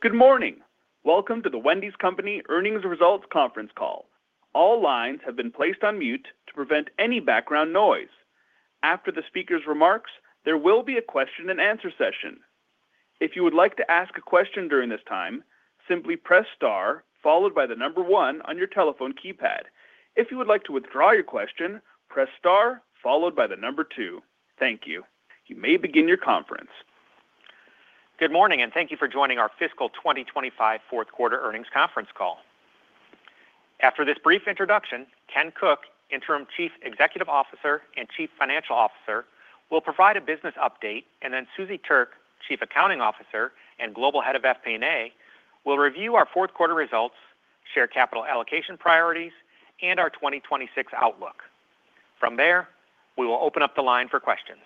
Good morning! Welcome to The Wendy's Company Earnings Results Conference Call. All lines have been placed on mute to prevent any background noise. After the speakers' remarks, there will be a question and answer session. If you would like to ask a question during this time, simply press star followed by the number 1 on your telephone keypad. If you would like to withdraw your question, press star followed by the number 2. Thank you. You may begin your conference. Good morning, and thank you for joining our fiscal 2025 fourth quarter earnings conference call. After this brief introduction, Ken Cook, Interim Chief Executive Officer and Chief Financial Officer, will provide a business update, and then Suzie Thuerk, Chief Accounting Officer and Global Head of FP&A, will review our fourth quarter results, share capital allocation priorities, and our 2026 outlook. From there, we will open up the line for questions.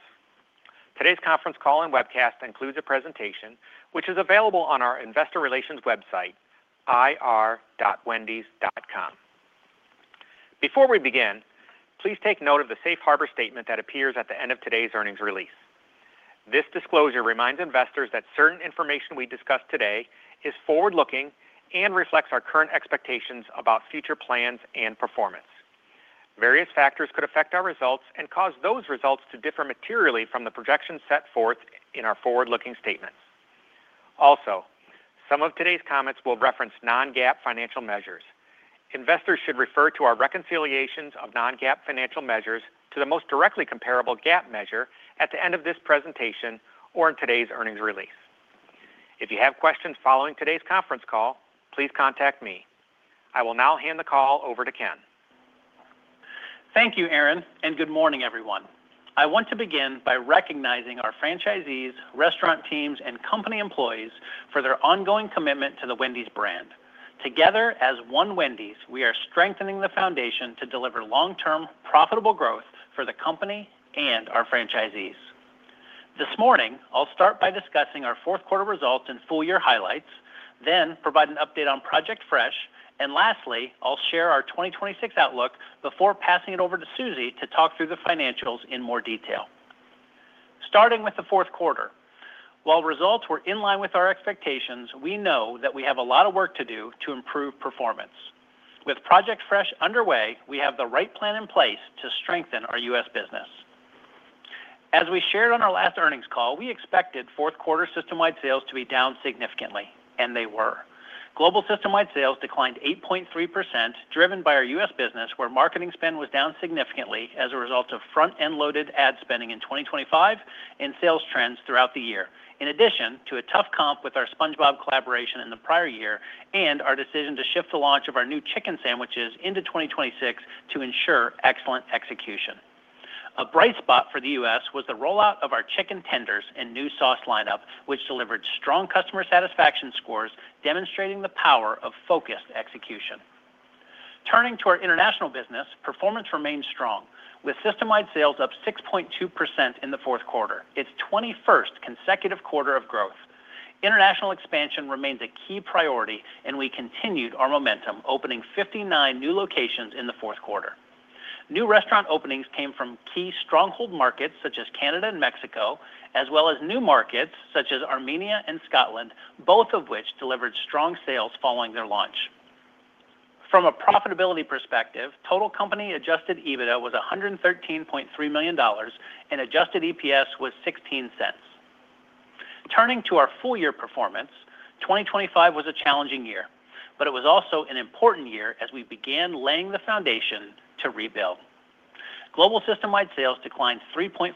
Today's conference call and webcast includes a presentation which is available on our investor relations website, ir.wendys.com. Before we begin, please take note of the safe harbor statement that appears at the end of today's earnings release. This disclosure reminds investors that certain information we discuss today is forward-looking and reflects our current expectations about future plans and performance. Various factors could affect our results and cause those results to differ materially from the projections set forth in our forward-looking statements. Also, some of today's comments will reference non-GAAP financial measures. Investors should refer to our reconciliations of non-GAAP financial measures to the most directly comparable GAAP measure at the end of this presentation or in today's earnings release. If you have questions following today's conference call, please contact me. I will now hand the call over to Ken. Thank you, Aaron, and good morning, everyone. I want to begin by recognizing our franchisees, restaurant teams, and company employees for their ongoing commitment to the Wendy's brand. Together, as one Wendy's, we are strengthening the foundation to deliver long-term, profitable growth for the company and our franchisees. This morning, I'll start by discussing our fourth quarter results and full year highlights, then provide an update on Project Fresh. And lastly, I'll share our 2026 outlook before passing it over to Suzie to talk through the financials in more detail. Starting with the fourth quarter, while results were in line with our expectations, we know that we have a lot of work to do to improve performance. With Project Fresh underway, we have the right plan in place to strengthen our U.S. business. As we shared on our last earnings call, we expected fourth quarter system-wide sales to be down significantly, and they were. Global system-wide sales declined 8.3%, driven by our U.S. business, where marketing spend was down significantly as a result of front-end loaded ad spending in 2025 and sales trends throughout the year, in addition to a tough comp with our SpongeBob collaboration in the prior year and our decision to shift the launch of our new chicken sandwiches into 2026 to ensure excellent execution. A bright spot for the U.S. was the rollout of our chicken tenders and new sauce lineup, which delivered strong customer satisfaction scores, demonstrating the power of focused execution. Turning to our international business, performance remained strong, with system-wide sales up 6.2% in the fourth quarter, its 21st consecutive quarter of growth. International expansion remains a key priority, and we continued our momentum, opening 59 new locations in the fourth quarter. New restaurant openings came from key stronghold markets such as Canada and Mexico, as well as new markets such as Armenia and Scotland, both of which delivered strong sales following their launch. From a profitability perspective, total company adjusted EBITDA was $113.3 million, and adjusted EPS was $0.16. Turning to our full year performance, 2025 was a challenging year, but it was also an important year as we began laying the foundation to rebuild. Global system-wide sales declined 3.5%,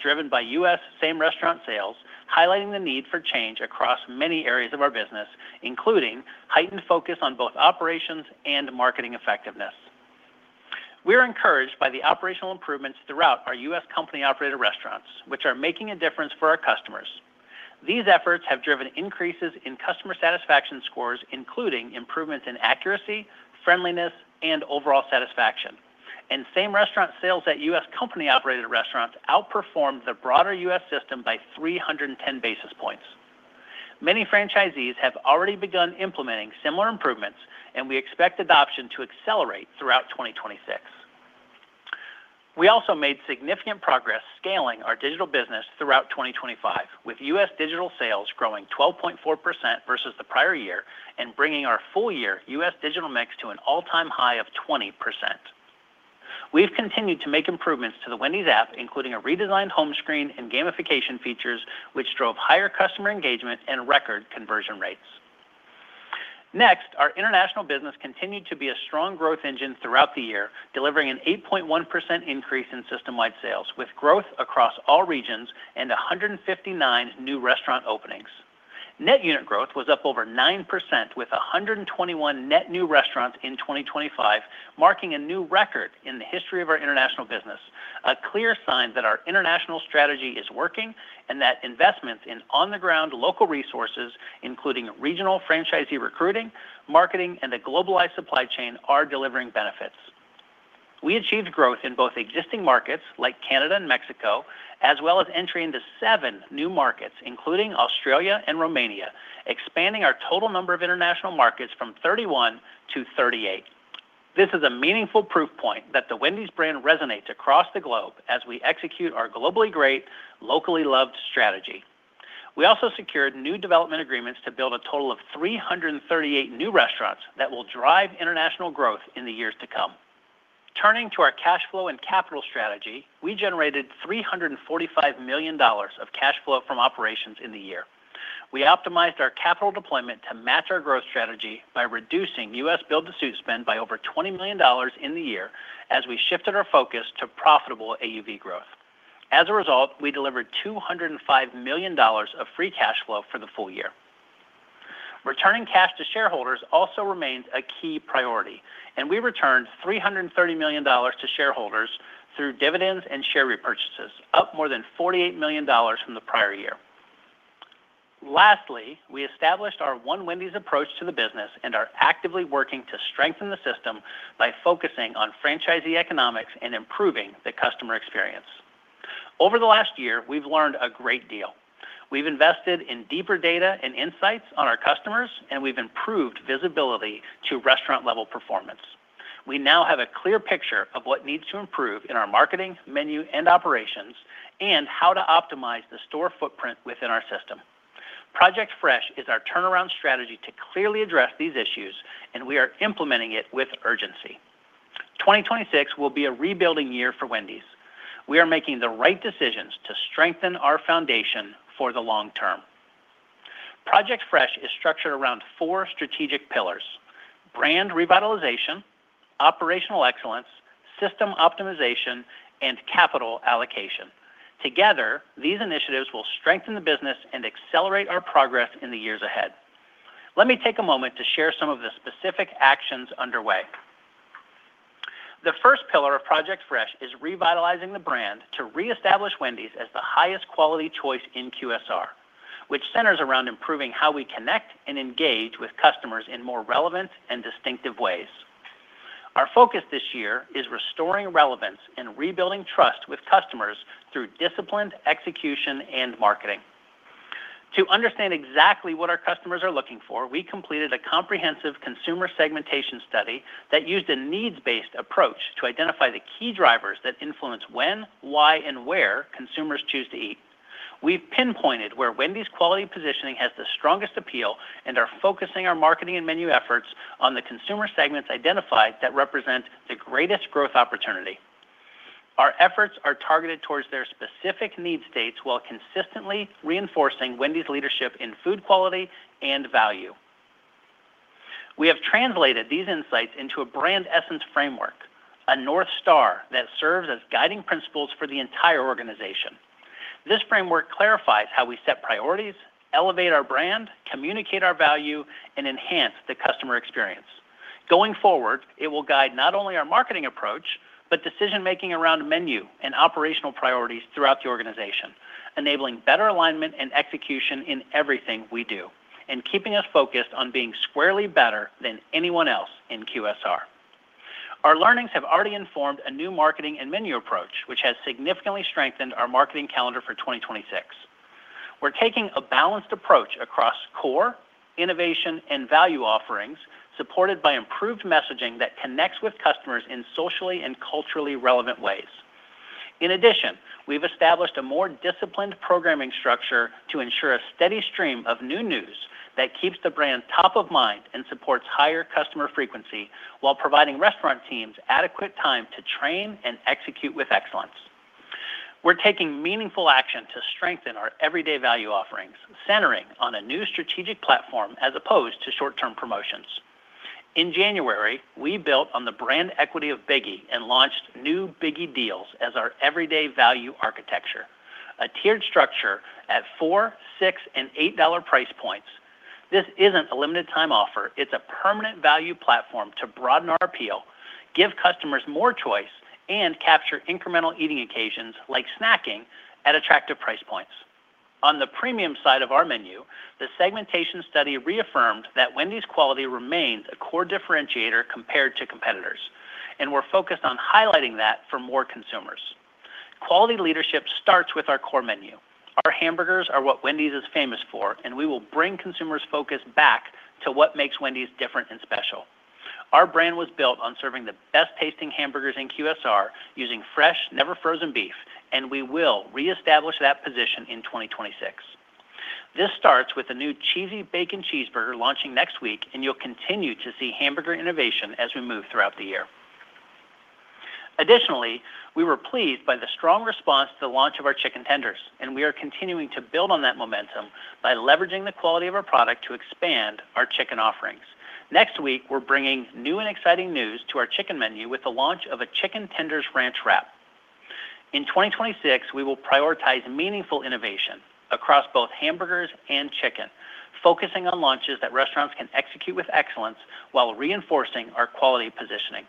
driven by U.S. same restaurant sales, highlighting the need for change across many areas of our business, including heightened focus on both operations and marketing effectiveness. We are encouraged by the operational improvements throughout our U.S. company-operated restaurants, which are making a difference for our customers. These efforts have driven increases in customer satisfaction scores, including improvements in accuracy, friendliness, and overall satisfaction. Same-restaurant sales at U.S. company-operated restaurants outperformed the broader U.S. system by 310 basis points. Many franchisees have already begun implementing similar improvements, and we expect adoption to accelerate throughout 2026. We also made significant progress scaling our digital business throughout 2025, with U.S. digital sales growing 12.4% versus the prior year and bringing our full year U.S. digital mix to an all-time high of 20%. We've continued to make improvements to the Wendy's app, including a redesigned home screen and gamification features, which drove higher customer engagement and record conversion rates. Next, our international business continued to be a strong growth engine throughout the year, delivering an 8.1% increase in system-wide sales, with growth across all regions and 159 new restaurant openings. Net unit growth was up over 9%, with 121 net new restaurants in 2025, marking a new record in the history of our international business. A clear sign that our international strategy is working and that investments in on-the-ground local resources, including regional franchisee recruiting, marketing, and a globalized supply chain, are delivering benefits. We achieved growth in both existing markets like Canada and Mexico, as well as entering into seven new markets, including Australia and Romania, expanding our total number of international markets from 31-38. This is a meaningful proof point that the Wendy's brand resonates across the globe as we execute our globally great, locally loved strategy. We also secured new development agreements to build a total of 338 new restaurants that will drive international growth in the years to come. Turning to our cash flow and capital strategy, we generated $345 million of cash flow from operations in the year. We optimized our capital deployment to match our growth strategy by reducing U.S. build-to-suit spend by over $20 million in the year as we shifted our focus to profitable AUV growth. As a result, we delivered $205 million of free cash flow for the full year. Returning cash to shareholders also remains a key priority, and we returned $330 million to shareholders through dividends and share repurchases, up more than $48 million from the prior year. Lastly, we established our One Wendy's approach to the business and are actively working to strengthen the system by focusing on franchisee economics and improving the customer experience. Over the last year, we've learned a great deal. We've invested in deeper data and insights on our customers, and we've improved visibility to restaurant-level performance. We now have a clear picture of what needs to improve in our marketing, menu, and operations, and how to optimize the store footprint within our system. Project Fresh is our turnaround strategy to clearly address these issues, and we are implementing it with urgency. 2026 will be a rebuilding year for Wendy's. We are making the right decisions to strengthen our foundation for the long term. Project Fresh is structured around four strategic pillars: brand revitalization, operational excellence, system optimization, and capital allocation. Together, these initiatives will strengthen the business and accelerate our progress in the years ahead. Let me take a moment to share some of the specific actions underway. The first pillar of Project Fresh is revitalizing the brand to reestablish Wendy's as the highest quality choice in QSR, which centers around improving how we connect and engage with customers in more relevant and distinctive ways. Our focus this year is restoring relevance and rebuilding trust with customers through disciplined execution and marketing. To understand exactly what our customers are looking for, we completed a comprehensive consumer segmentation study that used a needs-based approach to identify the key drivers that influence when, why, and where consumers choose to eat. We've pinpointed where Wendy's quality positioning has the strongest appeal and are focusing our marketing and menu efforts on the consumer segments identified that represent the greatest growth opportunity. Our efforts are targeted towards their specific need states, while consistently reinforcing Wendy's leadership in food quality and value. We have translated these insights into a brand essence framework, a North Star that serves as guiding principles for the entire organization. This framework clarifies how we set priorities, elevate our brand, communicate our value, and enhance the customer experience. Going forward, it will guide not only our marketing approach, but decision-making around menu and operational priorities throughout the organization, enabling better alignment and execution in everything we do, and keeping us focused on being squarely better than anyone else in QSR. Our learnings have already informed a new marketing and menu approach, which has significantly strengthened our marketing calendar for 2026. We're taking a balanced approach across core, innovation, and value offerings, supported by improved messaging that connects with customers in socially and culturally relevant ways. In addition, we've established a more disciplined programming structure to ensure a steady stream of new news that keeps the brand top of mind and supports higher customer frequency while providing restaurant teams adequate time to train and execute with excellence. We're taking meaningful action to strengthen our everyday value offerings, centering on a new strategic platform as opposed to short-term promotions. In January, we built on the brand equity of Biggie and launched new Biggie Deals as our everyday value architecture, a tiered structure at $4, $6, and $8 price points. This isn't a limited time offer. It's a permanent value platform to broaden our appeal, give customers more choice, and capture incremental eating occasions like snacking at attractive price points. On the premium side of our menu, the segmentation study reaffirmed that Wendy's quality remains a core differentiator compared to competitors, and we're focused on highlighting that for more consumers. Quality leadership starts with our core menu. Our hamburgers are what Wendy's is famous for, and we will bring consumers' focus back to what makes Wendy's different and special. Our brand was built on serving the best-tasting hamburgers in QSR using Fresh, Never Frozen beef, and we will reestablish that position in 2026. This starts with a new Cheesy Bacon Cheeseburger launching next week, and you'll continue to see hamburger innovation as we move throughout the year. Additionally, we were pleased by the strong response to the launch of our chicken tenders, and we are continuing to build on that momentum by leveraging the quality of our product to expand our chicken offerings. Next week, we're bringing new and exciting news to our chicken menu with the launch of a Chicken Tenders Ranch Wrap. In 2026, we will prioritize meaningful innovation across both hamburgers and chicken, focusing on launches that restaurants can execute with excellence while reinforcing our quality positioning.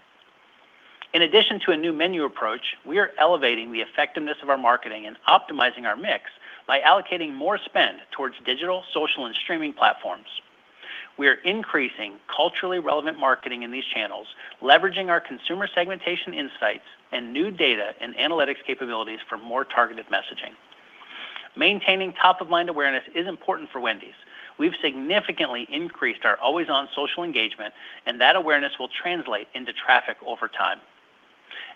In addition to a new menu approach, we are elevating the effectiveness of our marketing and optimizing our mix by allocating more spend towards digital, social, and streaming platforms. We are increasing culturally relevant marketing in these channels, leveraging our consumer segmentation insights and new data and analytics capabilities for more targeted messaging. Maintaining top-of-mind awareness is important for Wendy's. We've significantly increased our always-on social engagement, and that awareness will translate into traffic over time.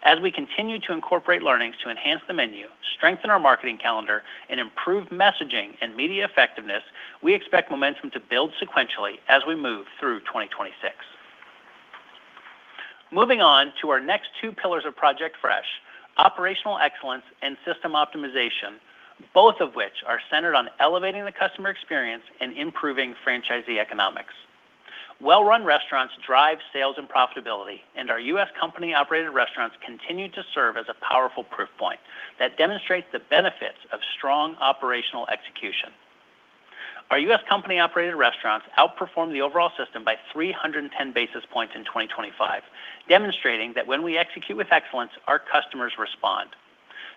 As we continue to incorporate learnings to enhance the menu, strengthen our marketing calendar, and improve messaging and media effectiveness, we expect momentum to build sequentially as we move through 2026. Moving on to our next two pillars of Project Fresh, operational excellence and system optimization, both of which are centered on elevating the customer experience and improving franchisee economics. Well-run restaurants drive sales and profitability, and our U.S. company-operated restaurants continue to serve as a powerful proof point that demonstrates the benefits of strong operational execution. Our U.S. company-operated restaurants outperformed the overall system by 310 basis points in 2025, demonstrating that when we execute with excellence, our customers respond.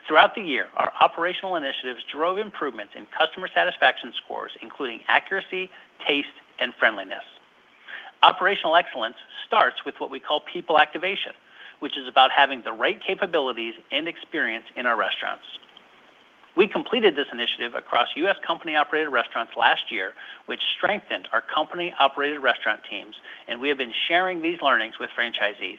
Throughout the year, our operational initiatives drove improvements in customer satisfaction scores, including accuracy, taste, and friendliness. Operational excellence starts with what we call people activation, which is about having the right capabilities and experience in our restaurants. We completed this initiative across U.S. company-operated restaurants last year, which strengthened our company-operated restaurant teams, and we have been sharing these learnings with franchisees.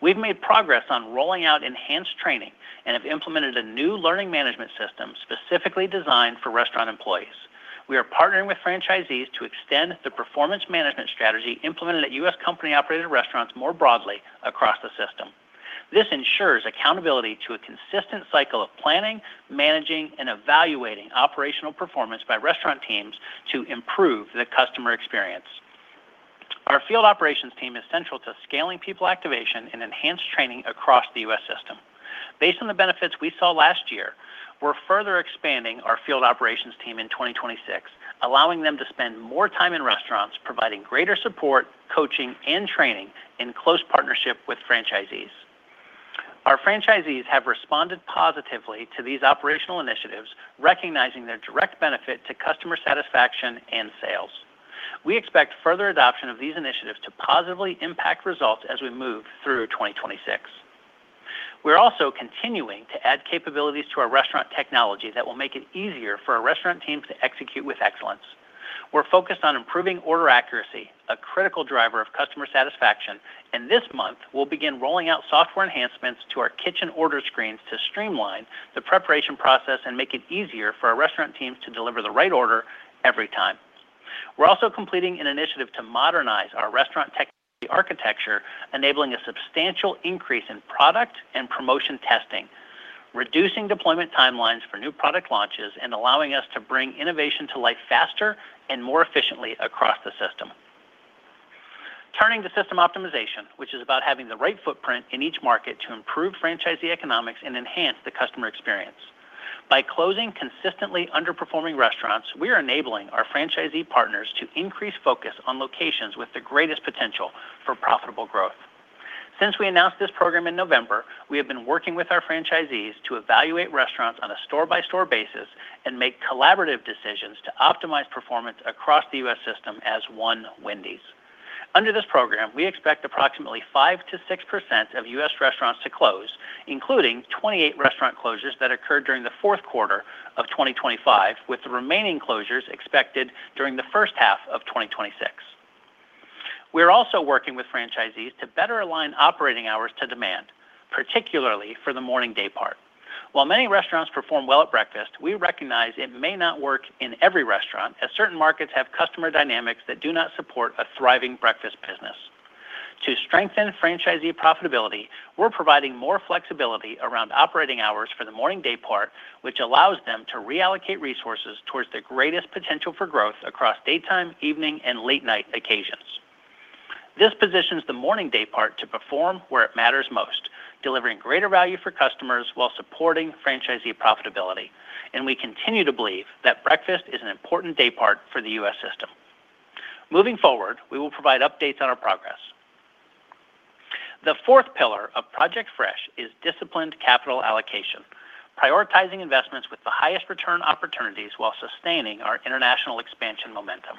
We've made progress on rolling out enhanced training and have implemented a new learning management system specifically designed for restaurant employees. We are partnering with franchisees to extend the performance management strategy implemented at U.S. company-operated restaurants more broadly across the system. This ensures accountability to a consistent cycle of planning, managing, and evaluating operational performance by restaurant teams to improve the customer experience. Our field operations team is central to scaling people activation and enhanced training across the U.S. system. Based on the benefits we saw last year, we're further expanding our field operations team in 2026, allowing them to spend more time in restaurants, providing greater support, coaching, and training in close partnership with franchisees. Our franchisees have responded positively to these operational initiatives, recognizing their direct benefit to customer satisfaction and sales. We expect further adoption of these initiatives to positively impact results as we move through 2026. We're also continuing to add capabilities to our restaurant technology that will make it easier for our restaurant teams to execute with excellence. We're focused on improving order accuracy, a critical driver of customer satisfaction, and this month, we'll begin rolling out software enhancements to our kitchen order screens to streamline the preparation process and make it easier for our restaurant teams to deliver the right order every time. We're also completing an initiative to modernize our restaurant technology architecture, enabling a substantial increase in product and promotion testing, reducing deployment timelines for new product launches, and allowing us to bring innovation to life faster and more efficiently across the system. Turning to system optimization, which is about having the right footprint in each market to improve franchisee economics and enhance the customer experience. By closing consistently underperforming restaurants, we are enabling our franchisee partners to increase focus on locations with the greatest potential for profitable growth. Since we announced this program in November, we have been working with our franchisees to evaluate restaurants on a store-by-store basis and make collaborative decisions to optimize performance across the U.S. system as one Wendy's. Under this program, we expect approximately 5%-6% of U.S. restaurants to close, including 28 restaurant closures that occurred during the fourth quarter of 2025, with the remaining closures expected during the first half of 2026. We are also working with franchisees to better align operating hours to demand, particularly for the morning daypart. While many restaurants perform well at breakfast, we recognize it may not work in every restaurant, as certain markets have customer dynamics that do not support a thriving breakfast business. To strengthen franchisee profitability, we're providing more flexibility around operating hours for the morning daypart, which allows them to reallocate resources towards the greatest potential for growth across daytime, evening, and late-night occasions. This positions the morning daypart to perform where it matters most, delivering greater value for customers while supporting franchisee profitability, and we continue to believe that breakfast is an important daypart for the U.S. system. Moving forward, we will provide updates on our progress. The fourth pillar of Project Fresh is disciplined capital allocation, prioritizing investments with the highest return opportunities while sustaining our international expansion momentum.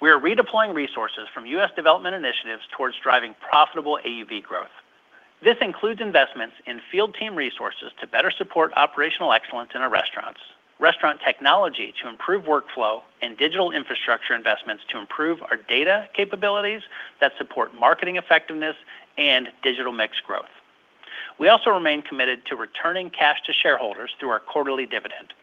We are redeploying resources from U.S. development initiatives towards driving profitable AUV growth. This includes investments in field team resources to better support operational excellence in our restaurants, restaurant technology to improve workflow, and digital infrastructure investments to improve our data capabilities that support marketing effectiveness and digital mix growth. We also remain committed to returning cash to shareholders through our quarterly dividend.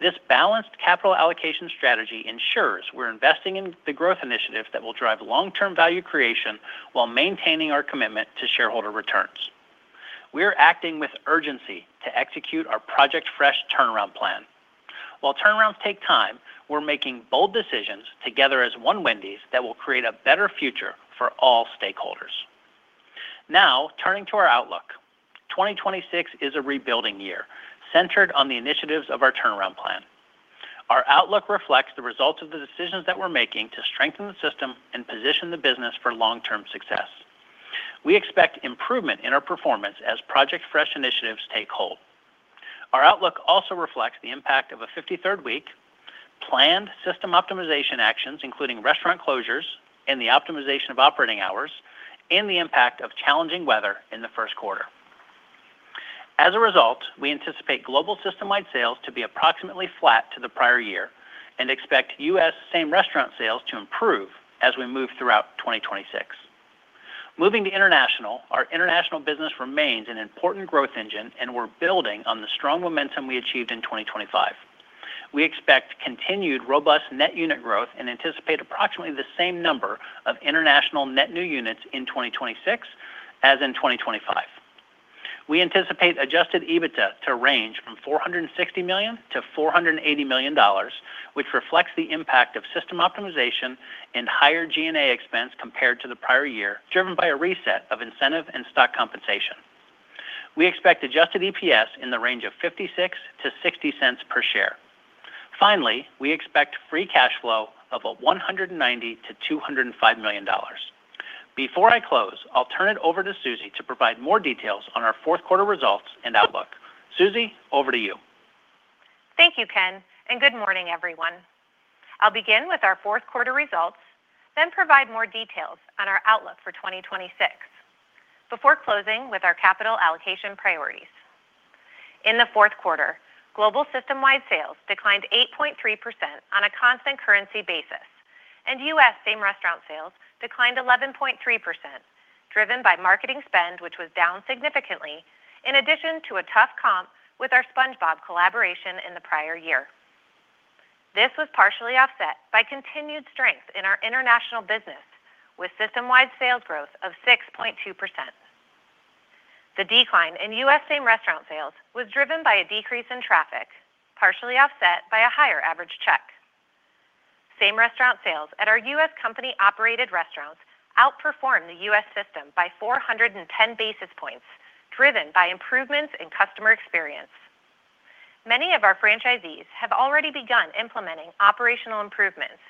This balanced capital allocation strategy ensures we're investing in the growth initiatives that will drive long-term value creation while maintaining our commitment to shareholder returns. We are acting with urgency to execute our Project Fresh turnaround plan. While turnarounds take time, we're making bold decisions together as one Wendy's that will create a better future for all stakeholders. Now, turning to our outlook. 2026 is a rebuilding year centered on the initiatives of our turnaround plan. Our outlook reflects the results of the decisions that we're making to strengthen the system and position the business for long-term success. We expect improvement in our performance as Project Fresh initiatives take hold. Our outlook also reflects the impact of a 53rd week, planned system optimization actions, including restaurant closures and the optimization of operating hours, and the impact of challenging weather in the first quarter. As a result, we anticipate global system-wide sales to be approximately flat to the prior year and expect U.S. same-restaurant sales to improve as we move throughout 2026. Moving to international. Our international business remains an important growth engine, and we're building on the strong momentum we achieved in 2025. We expect continued robust net unit growth and anticipate approximately the same number of international net new units in 2026 as in 2025. We anticipate adjusted EBITDA to range from $460 million-$480 million, which reflects the impact of system optimization and higher G&A expense compared to the prior year, driven by a reset of incentive and stock compensation. We expect adjusted EPS in the range of $0.56-$0.60 per share. Finally, we expect free cash flow of $190 million-$205 million. Before I close, I'll turn it over to Suzie to provide more details on our fourth quarter results and outlook. Suzie, over to you. Thank you, Ken, and good morning, everyone. I'll begin with our fourth quarter results, then provide more details on our outlook for 2026, before closing with our capital allocation priorities. In the fourth quarter, global system-wide sales declined 8.3% on a constant currency basis, and U.S. same restaurant sales declined 11.3%, driven by marketing spend, which was down significantly in addition to a tough comp with our SpongeBob collaboration in the prior year. This was partially offset by continued strength in our international business, with system-wide sales growth of 6.2%. The decline in U.S. same restaurant sales was driven by a decrease in traffic, partially offset by a higher average check. Same restaurant sales at our U.S. company-operated restaurants outperformed the U.S. system by 410 basis points, driven by improvements in customer experience. Many of our franchisees have already begun implementing operational improvements,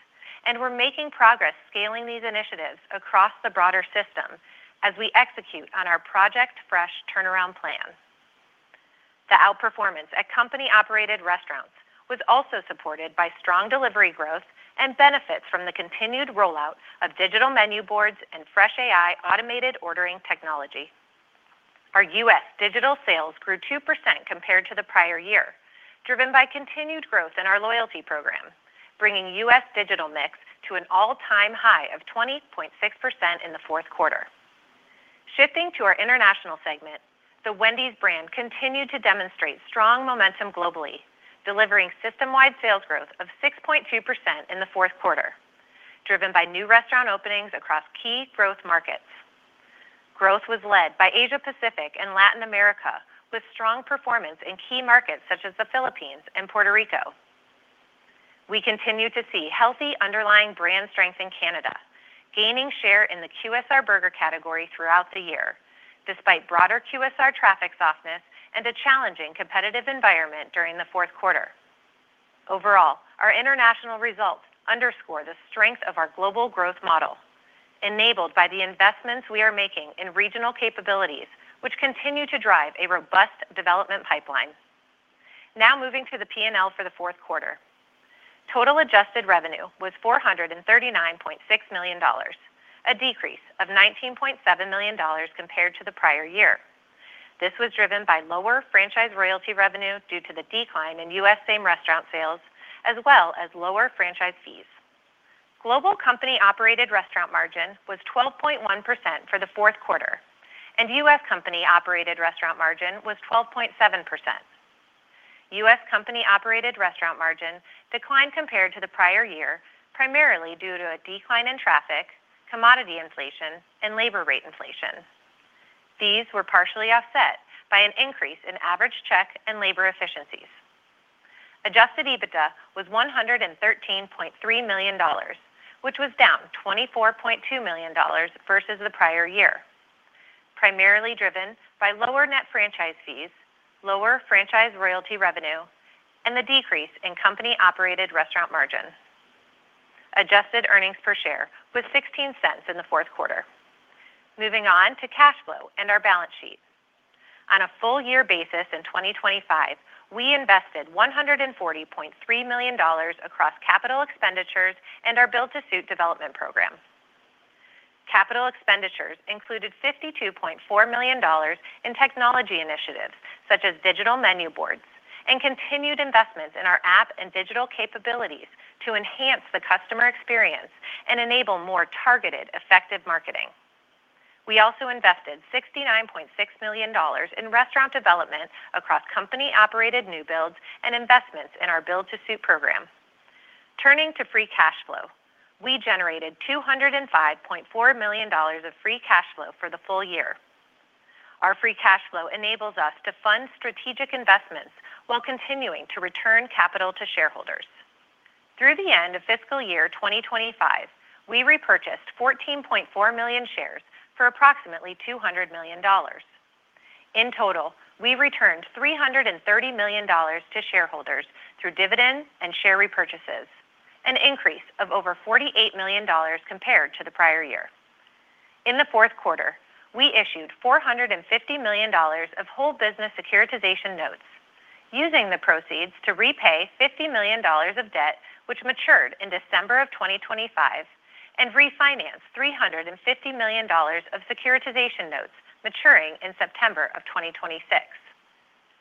and we're making progress scaling these initiatives across the broader system as we execute on our Project Fresh turnaround plan. The outperformance at company-operated restaurants was also supported by strong delivery growth and benefits from the continued rollout of digital menu boards and FreshAI automated ordering technology. Our U.S. digital sales grew 2% compared to the prior year, driven by continued growth in our loyalty program, bringing U.S. digital mix to an all-time high of 20.6% in the fourth quarter. Shifting to our international segment, the Wendy's brand continued to demonstrate strong momentum globally, delivering system-wide sales growth of 6.2% in the fourth quarter, driven by new restaurant openings across key growth markets. Growth was led by Asia Pacific and Latin America, with strong performance in key markets such as the Philippines and Puerto Rico. We continue to see healthy underlying brand strength in Canada, gaining share in the QSR burger category throughout the year, despite broader QSR traffic softness and a challenging competitive environment during the fourth quarter. Overall, our international results underscore the strength of our global growth model, enabled by the investments we are making in regional capabilities, which continue to drive a robust development pipeline. Now moving to the P&L for the fourth quarter. Total adjusted revenue was $439.6 million, a decrease of $19.7 million compared to the prior year. This was driven by lower franchise royalty revenue due to the decline in U.S. same-restaurant sales, as well as lower franchise fees. Global company-operated restaurant margin was 12.1% for the fourth quarter, and U.S. company-operated restaurant margin was 12.7%. U.S. company-operated restaurant margin declined compared to the prior year, primarily due to a decline in traffic, commodity inflation, and labor rate inflation. These were partially offset by an increase in average check and labor efficiencies. Adjusted EBITDA was $113.3 million, which was down $24.2 million versus the prior year, primarily driven by lower net franchise fees, lower franchise royalty revenue, and the decrease in company-operated restaurant margins. Adjusted earnings per share was $0.16 in the fourth quarter. Moving on to cash flow and our balance sheet. On a full-year basis in 2025, we invested $140.3 million across capital expenditures and our build-to-suit development program. Capital expenditures included $52.4 million in technology initiatives, such as digital menu boards and continued investments in our app and digital capabilities to enhance the customer experience and enable more targeted, effective marketing. We also invested $69.6 million in restaurant development across company-operated new builds and investments in our build-to-suit program. Turning to free cash flow, we generated $205.4 million of free cash flow for the full year. Our free cash flow enables us to fund strategic investments while continuing to return capital to shareholders. Through the end of fiscal year 2025, we repurchased 14.4 million shares for approximately $200 million. In total, we returned $330 million to shareholders through dividends and share repurchases, an increase of over 48 million dollars compared to the prior year. In the fourth quarter, we issued $450 million of whole business securitization notes, using the proceeds to repay $50 million of debt, which matured in December of 2025, and refinance $350 million of securitization notes maturing in September of 2026.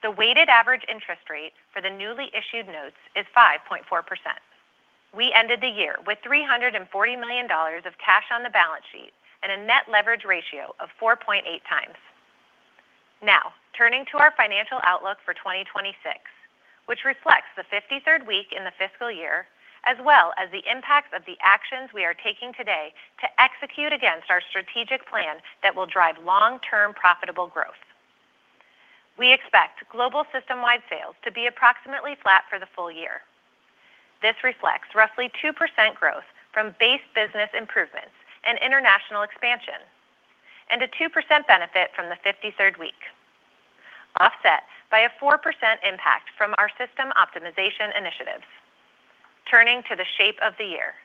The weighted average interest rate for the newly issued notes is 5.4%. We ended the year with $340 million of cash on the balance sheet and a net leverage ratio of 4.8x. Now, turning to our financial outlook for 2026, which reflects the 53rd week in the fiscal year, as well as the impacts of the actions we are taking today to execute against our strategic plan that will drive long-term profitable growth. We expect global system-wide sales to be approximately flat for the full year. This reflects roughly 2% growth from base business improvements and international expansion, and a 2% benefit from the 53rd week, offset by a 4% impact from our system optimization initiatives. Turning to the shape of the year,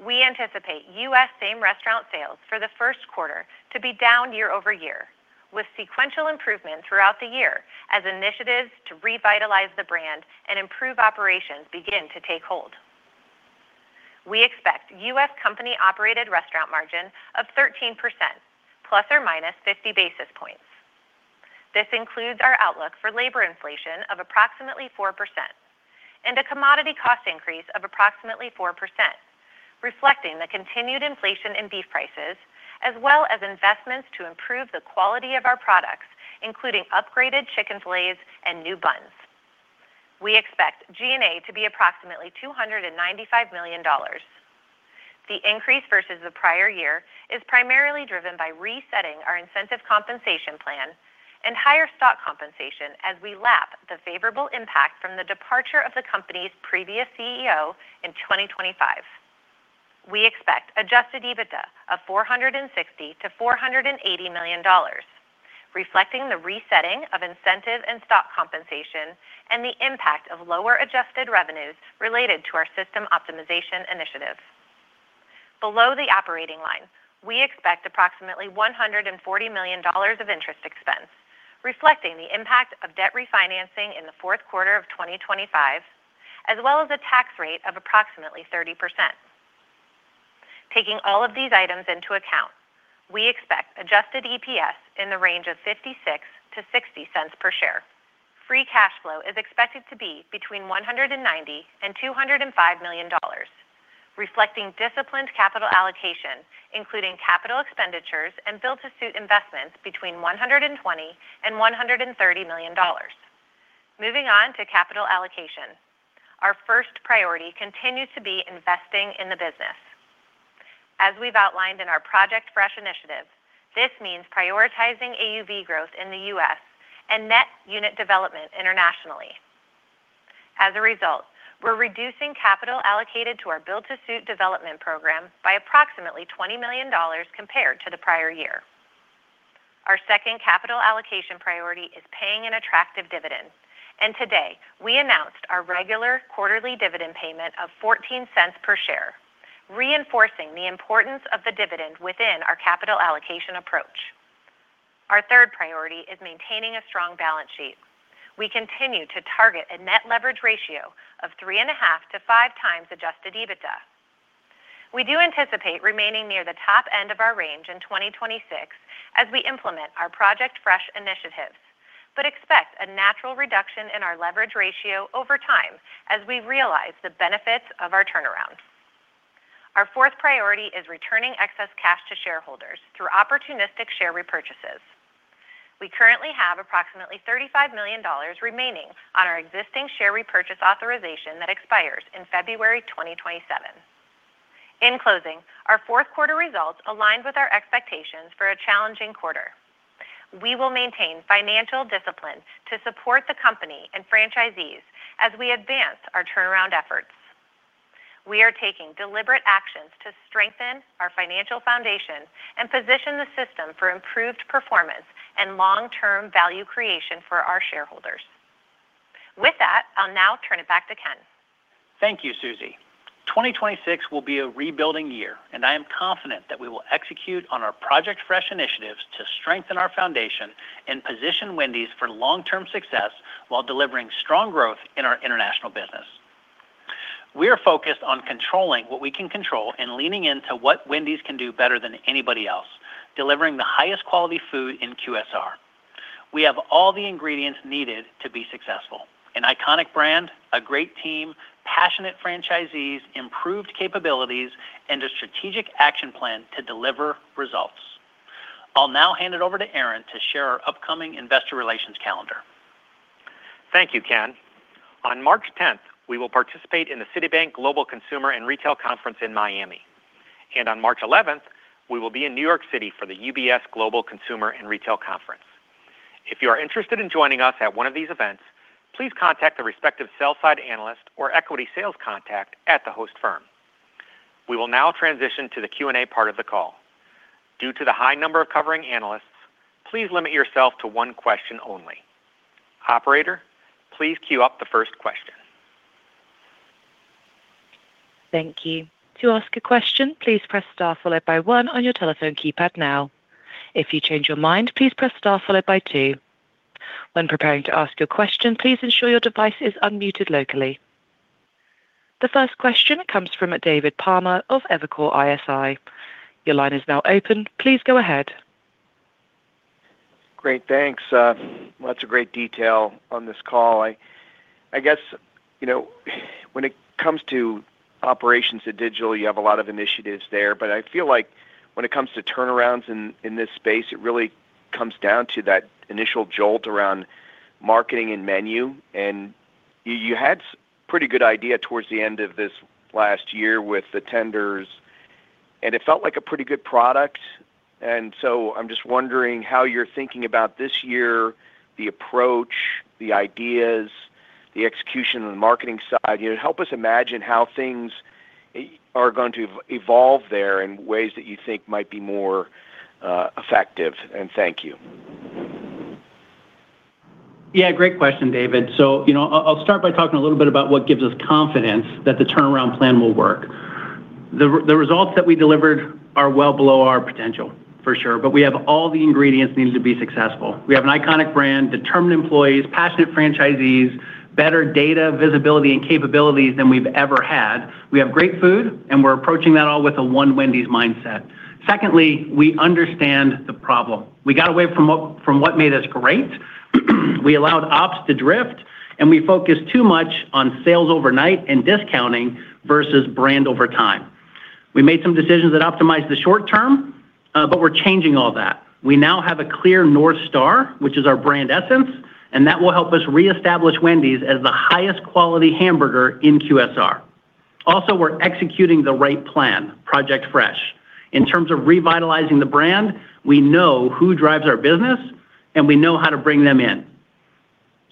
we anticipate U.S. same-restaurant sales for the first quarter to be down year-over-year, with sequential improvement throughout the year as initiatives to revitalize the brand and improve operations begin to take hold. We expect U.S. company-operated restaurant margin of 13% ±50 basis points. This includes our outlook for labor inflation of approximately 4% and a commodity cost increase of approximately 4%, reflecting the continued inflation in beef prices, as well as investments to improve the quality of our products, including upgraded chicken fillets and new buns. We expect G&A to be approximately $295 million. The increase versus the prior year is primarily driven by resetting our incentive compensation plan and higher stock compensation as we lap the favorable impact from the departure of the company's previous CEO in 2025. We expect adjusted EBITDA of $460 million-$480 million, reflecting the resetting of incentive and stock compensation and the impact of lower adjusted revenues related to our system optimization initiatives. Below the operating line, we expect approximately $140 million of interest expense, reflecting the impact of debt refinancing in the fourth quarter of 2025, as well as a tax rate of approximately 30%. Taking all of these items into account, we expect adjusted EPS in the range of $0.56-$0.60 per share. Free cash flow is expected to be between $190 million and $205 million, reflecting disciplined capital allocation, including capital expenditures and build-to-suit investments between $120 million and $130 million. Moving on to capital allocation. Our first priority continues to be investing in the business. As we've outlined in our Project Fresh initiative, this means prioritizing AUV growth in the U.S. and net unit development internationally. As a result, we're reducing capital allocated to our build-to-suit development program by approximately $20 million compared to the prior year. Our second capital allocation priority is paying an attractive dividend, and today, we announced our regular quarterly dividend payment of $0.14 per share, reinforcing the importance of the dividend within our capital allocation approach. Our third priority is maintaining a strong balance sheet. We continue to target a net leverage ratio of 3.5x-5x adjusted EBITDA. We do anticipate remaining near the top end of our range in 2026 as we implement our Project Fresh initiatives, but expect a natural reduction in our leverage ratio over time as we realize the benefits of our turnaround. Our fourth priority is returning excess cash to shareholders through opportunistic share repurchases. We currently have approximately $35 million remaining on our existing share repurchase authorization that expires in February 2027. In closing, our fourth quarter results aligned with our expectations for a challenging quarter. We will maintain financial discipline to support the company and franchisees as we advance our turnaround efforts. We are taking deliberate actions to strengthen our financial foundation and position the system for improved performance and long-term value creation for our shareholders. With that, I'll now turn it back to Ken. Thank you, Suzie. 2026 will be a rebuilding year, and I am confident that we will execute on our Project Fresh initiatives to strengthen our foundation and position Wendy's for long-term success while delivering strong growth in our international business. We are focused on controlling what we can control and leaning into what Wendy's can do better than anybody else, delivering the highest quality food in QSR. We have all the ingredients needed to be successful: an iconic brand, a great team, passionate franchisees, improved capabilities, and a strategic action plan to deliver results. I'll now hand it over to Aaron to share our upcoming Investor Relations calendar. Thank you, Ken. On March 10, we will participate in the Citibank Global Consumer and Retail Conference in Miami, and on March 11, we will be in New York City for the UBS Global Consumer and Retail Conference. If you are interested in joining us at one of these events, please contact the respective sell-side analyst or equity sales contact at the host firm. We will now transition to the Q&A part of the call. Due to the high number of covering analysts, please limit yourself to one question only. Operator, please queue up the first question. Thank you. To ask a question, please press star followed by one on your telephone keypad now. If you change your mind, please press star followed by two. When preparing to ask your question, please ensure your device is unmuted locally. The first question comes from David Palmer of Evercore ISI. Your line is now open. Please go ahead. Great, thanks. Lots of great detail on this call. I guess, you know, when it comes to operations at digital, you have a lot of initiatives there, but I feel like when it comes to turnarounds in this space, it really comes down to that initial jolt around marketing and menu, and you had pretty good idea towards the end of this last year with the tenders, and it felt like a pretty good product. And so I'm just wondering how you're thinking about this year, the approach, the ideas, the execution on the marketing side. You know, help us imagine how things are going to evolve there in ways that you think might be more effective, and thank you. Yeah, great question, David. So, you know, I'll start by talking a little bit about what gives us confidence that the turnaround plan will work. The results that we delivered are well below our potential, for sure, but we have all the ingredients needed to be successful. We have an iconic brand, determined employees, passionate franchisees, better data, visibility, and capabilities than we've ever had. We have great food, and we're approaching that all with a one Wendy's mindset. Secondly, we understand the problem. We got away from what made us great. We allowed ops to drift, and we focused too much on sales overnight and discounting versus brand over time. We made some decisions that optimized the short term, but we're changing all that. We now have a clear North Star, which is our brand essence, and that will help us reestablish Wendy's as the highest quality hamburger in QSR. Also, we're executing the right plan, Project Fresh. In terms of revitalizing the brand, we know who drives our business, and we know how to bring them in.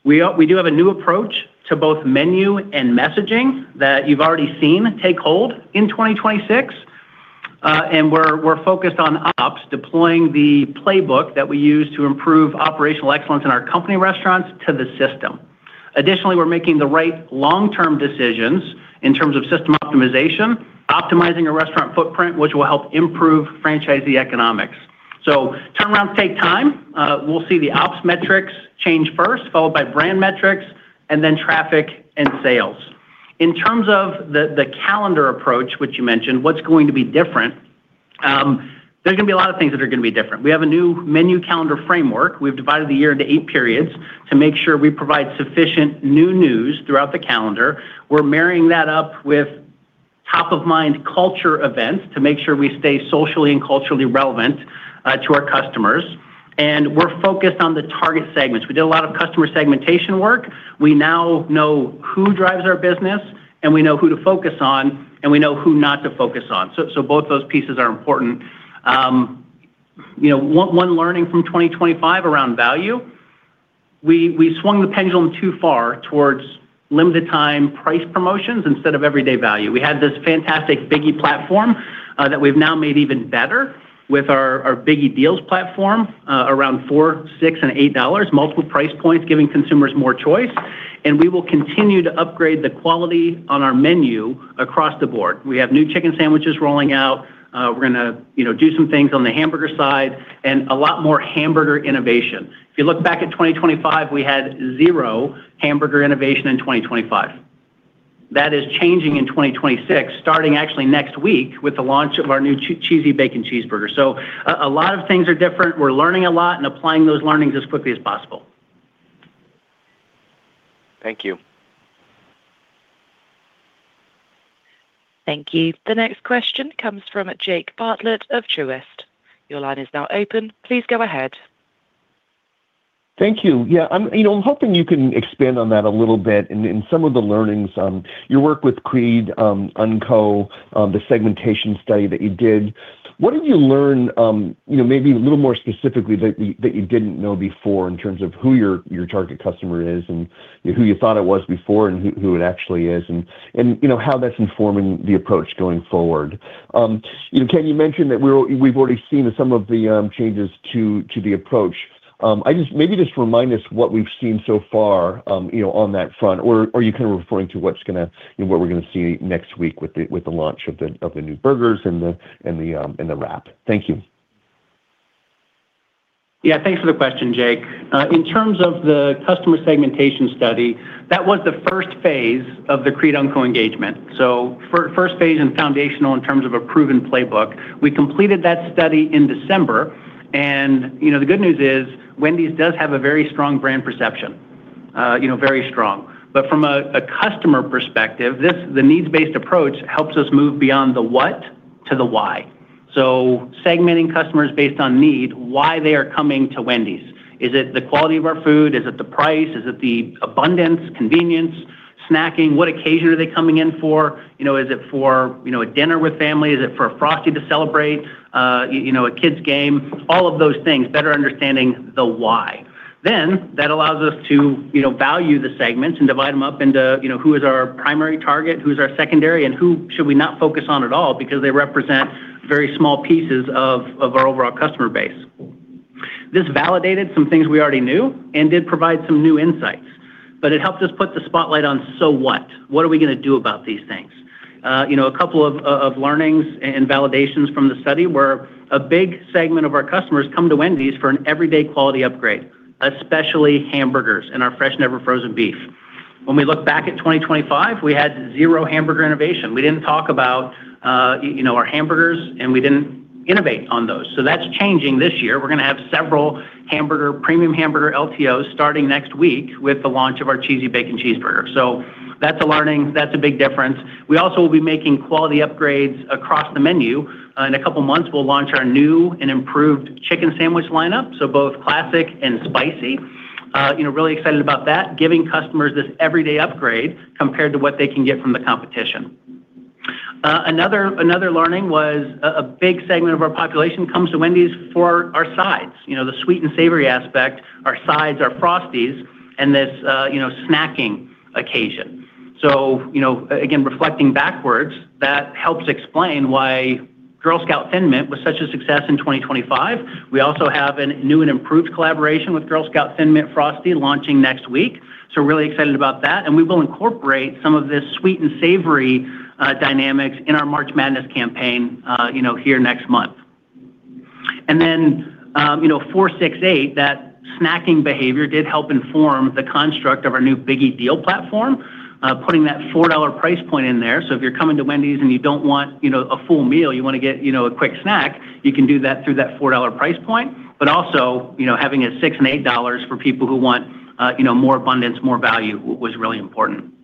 We do have a new approach to both menu and messaging that you've already seen take hold in 2026. And we're focused on ops, deploying the playbook that we use to improve operational excellence in our company restaurants to the system. Additionally, we're making the right long-term decisions in terms of system optimization, optimizing our restaurant footprint, which will help improve franchisee economics. So turnarounds take time. We'll see the ops metrics change first, followed by brand metrics, and then traffic and sales. In terms of the calendar approach, which you mentioned, what's going to be different? There's going to be a lot of things that are going to be different. We have a new menu calendar framework. We've divided the year into eight periods to make sure we provide sufficient new news throughout the calendar. We're marrying that up with top-of-mind culture events to make sure we stay socially and culturally relevant to our customers, and we're focused on the target segments. We did a lot of customer segmentation work. We now know who drives our business, and we know who to focus on, and we know who not to focus on. So, so both those pieces are important. You know, one learning from 2025 around value, we swung the pendulum too far towards limited time price promotions instead of everyday value. We had this fantastic Biggie platform that we've now made even better with our Biggie Deals platform around $4, $6, and $8, multiple price points, giving consumers more choice, and we will continue to upgrade the quality on our menu across the board. We have new chicken sandwiches rolling out. We're gonna, you know, do some things on the hamburger side and a lot more hamburger innovation. If you look back at 2025, we had zero hamburger innovation in 2025. That is changing in 2026, starting actually next week with the launch of our new Cheesy Bacon Cheeseburger. So a lot of things are different. We're learning a lot and applying those learnings as quickly as possible. Thank you. Thank you. The next question comes from Jake Bartlett of Truist. Your line is now open. Please go ahead. Thank you. Yeah, I'm, you know, I'm hoping you can expand on that a little bit in some of the learnings, your work with Creed UnCo, the segmentation study that you did. What did you learn, you know, maybe a little more specifically that you didn't know before in terms of who your target customer is and who you thought it was before and who it actually is, and, you know, how that's informing the approach going forward? You know, Ken, you mentioned that we've already seen some of the changes to the approach. I just, maybe just remind us what we've seen so far, you know, on that front, or, or you kind of referring to what's gonna, you know, what we're gonna see next week with the, with the launch of the, of the new burgers and the, and the, and the wrap. Thank you. Yeah, thanks for the question, Jake. In terms of the customer segmentation study, that was the first phase of the Creed UnCo engagement. So first phase and foundational in terms of a proven playbook. We completed that study in December, and, you know, the good news is Wendy's does have a very strong brand perception. You know, very strong. But from a customer perspective, the needs-based approach helps us move beyond the what to the why. So segmenting customers based on need, why they are coming to Wendy's. Is it the quality of our food? Is it the price? Is it the abundance, convenience, snacking? What occasion are they coming in for? You know, is it for, you know, a dinner with family? Is it for a Frosty to celebrate? You know, a kid's game? All of those things, better understanding the why. Then, that allows us to, you know, value the segments and divide them up into, you know, who is our primary target, who's our secondary, and who should we not focus on at all because they represent very small pieces of our overall customer base. This validated some things we already knew and did provide some new insights, but it helped us put the spotlight on, so what? What are we going to do about these things? You know, a couple of learnings and validations from the study were a big segment of our customers come to Wendy's for an everyday quality upgrade, especially hamburgers and our Fresh, Never Frozen beef. When we look back at 2025, we had zero hamburger innovation. We didn't talk about, you know, our hamburgers, and we didn't innovate on those. So that's changing this year. We're going to have several hamburger, premium hamburger LTOs starting next week with the launch of our Cheesy Bacon Cheeseburger. So that's a learning, that's a big difference. We also will be making quality upgrades across the menu. In a couple of months, we'll launch our new and improved chicken sandwich lineup, so both classic and spicy. You know, really excited about that, giving customers this everyday upgrade compared to what they can get from the competition. Another, another learning was a big segment of our population comes to Wendy's for our sides. You know, the sweet and savory aspect, our sides, our Frosties, and this, you know, snacking occasion. So, you know, again, reflecting backwards, that helps explain why Girl Scout Thin Mint was such a success in 2025. We also have a new and improved collaboration with Girl Scout Thin Mint Frosty launching next week, so we're really excited about that, and we will incorporate some of this sweet and savory dynamics in our March Madness campaign, you know, here next month. Then, you know, $4-$6-$8, that snacking behavior did help inform the construct of our new Biggie Deal platform, putting that $4 price point in there. So if you're coming to Wendy's and you don't want, you know, a full meal, you want to get, you know, a quick snack, you can do that through that $4 price point. But also, you know, having a $6 and $8 for people who want, you know, more abundance, more value was really important.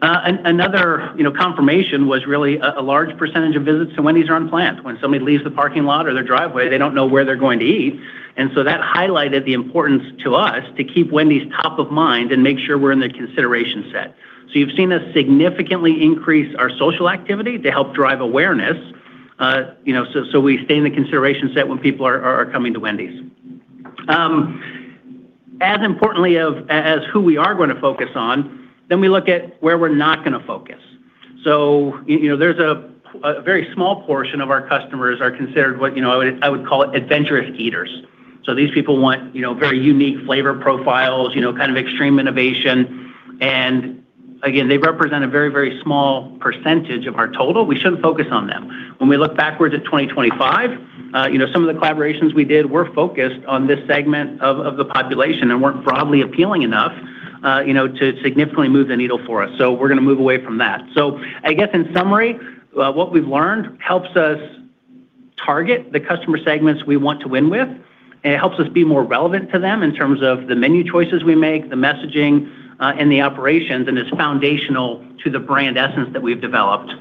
Another, you know, confirmation was really a large percentage of visits to Wendy's are unplanned. When somebody leaves the parking lot or their driveway, they don't know where they're going to eat, and so that highlighted the importance to us to keep Wendy's top of mind and make sure we're in their consideration set. So you've seen us significantly increase our social activity to help drive awareness, you know, so we stay in the consideration set when people are coming to Wendy's. As importantly as who we are going to focus on, then we look at where we're not going to focus. So, you know, there's a very small portion of our customers are considered what, you know, I would call it adventurous eaters. So these people want, you know, very unique flavor profiles, you know, kind of extreme innovation, and again, they represent a very, very small percentage of our total. We shouldn't focus on them. When we look backwards at 2025, you know, some of the collaborations we did were focused on this segment of, of the population and weren't broadly appealing enough, you know, to significantly move the needle for us. So we're going to move away from that. So I guess in summary, what we've learned helps us target the customer segments we want to win with, and it helps us be more relevant to them in terms of the menu choices we make, the messaging, and the operations, and it's foundational to the brand essence that we've developed.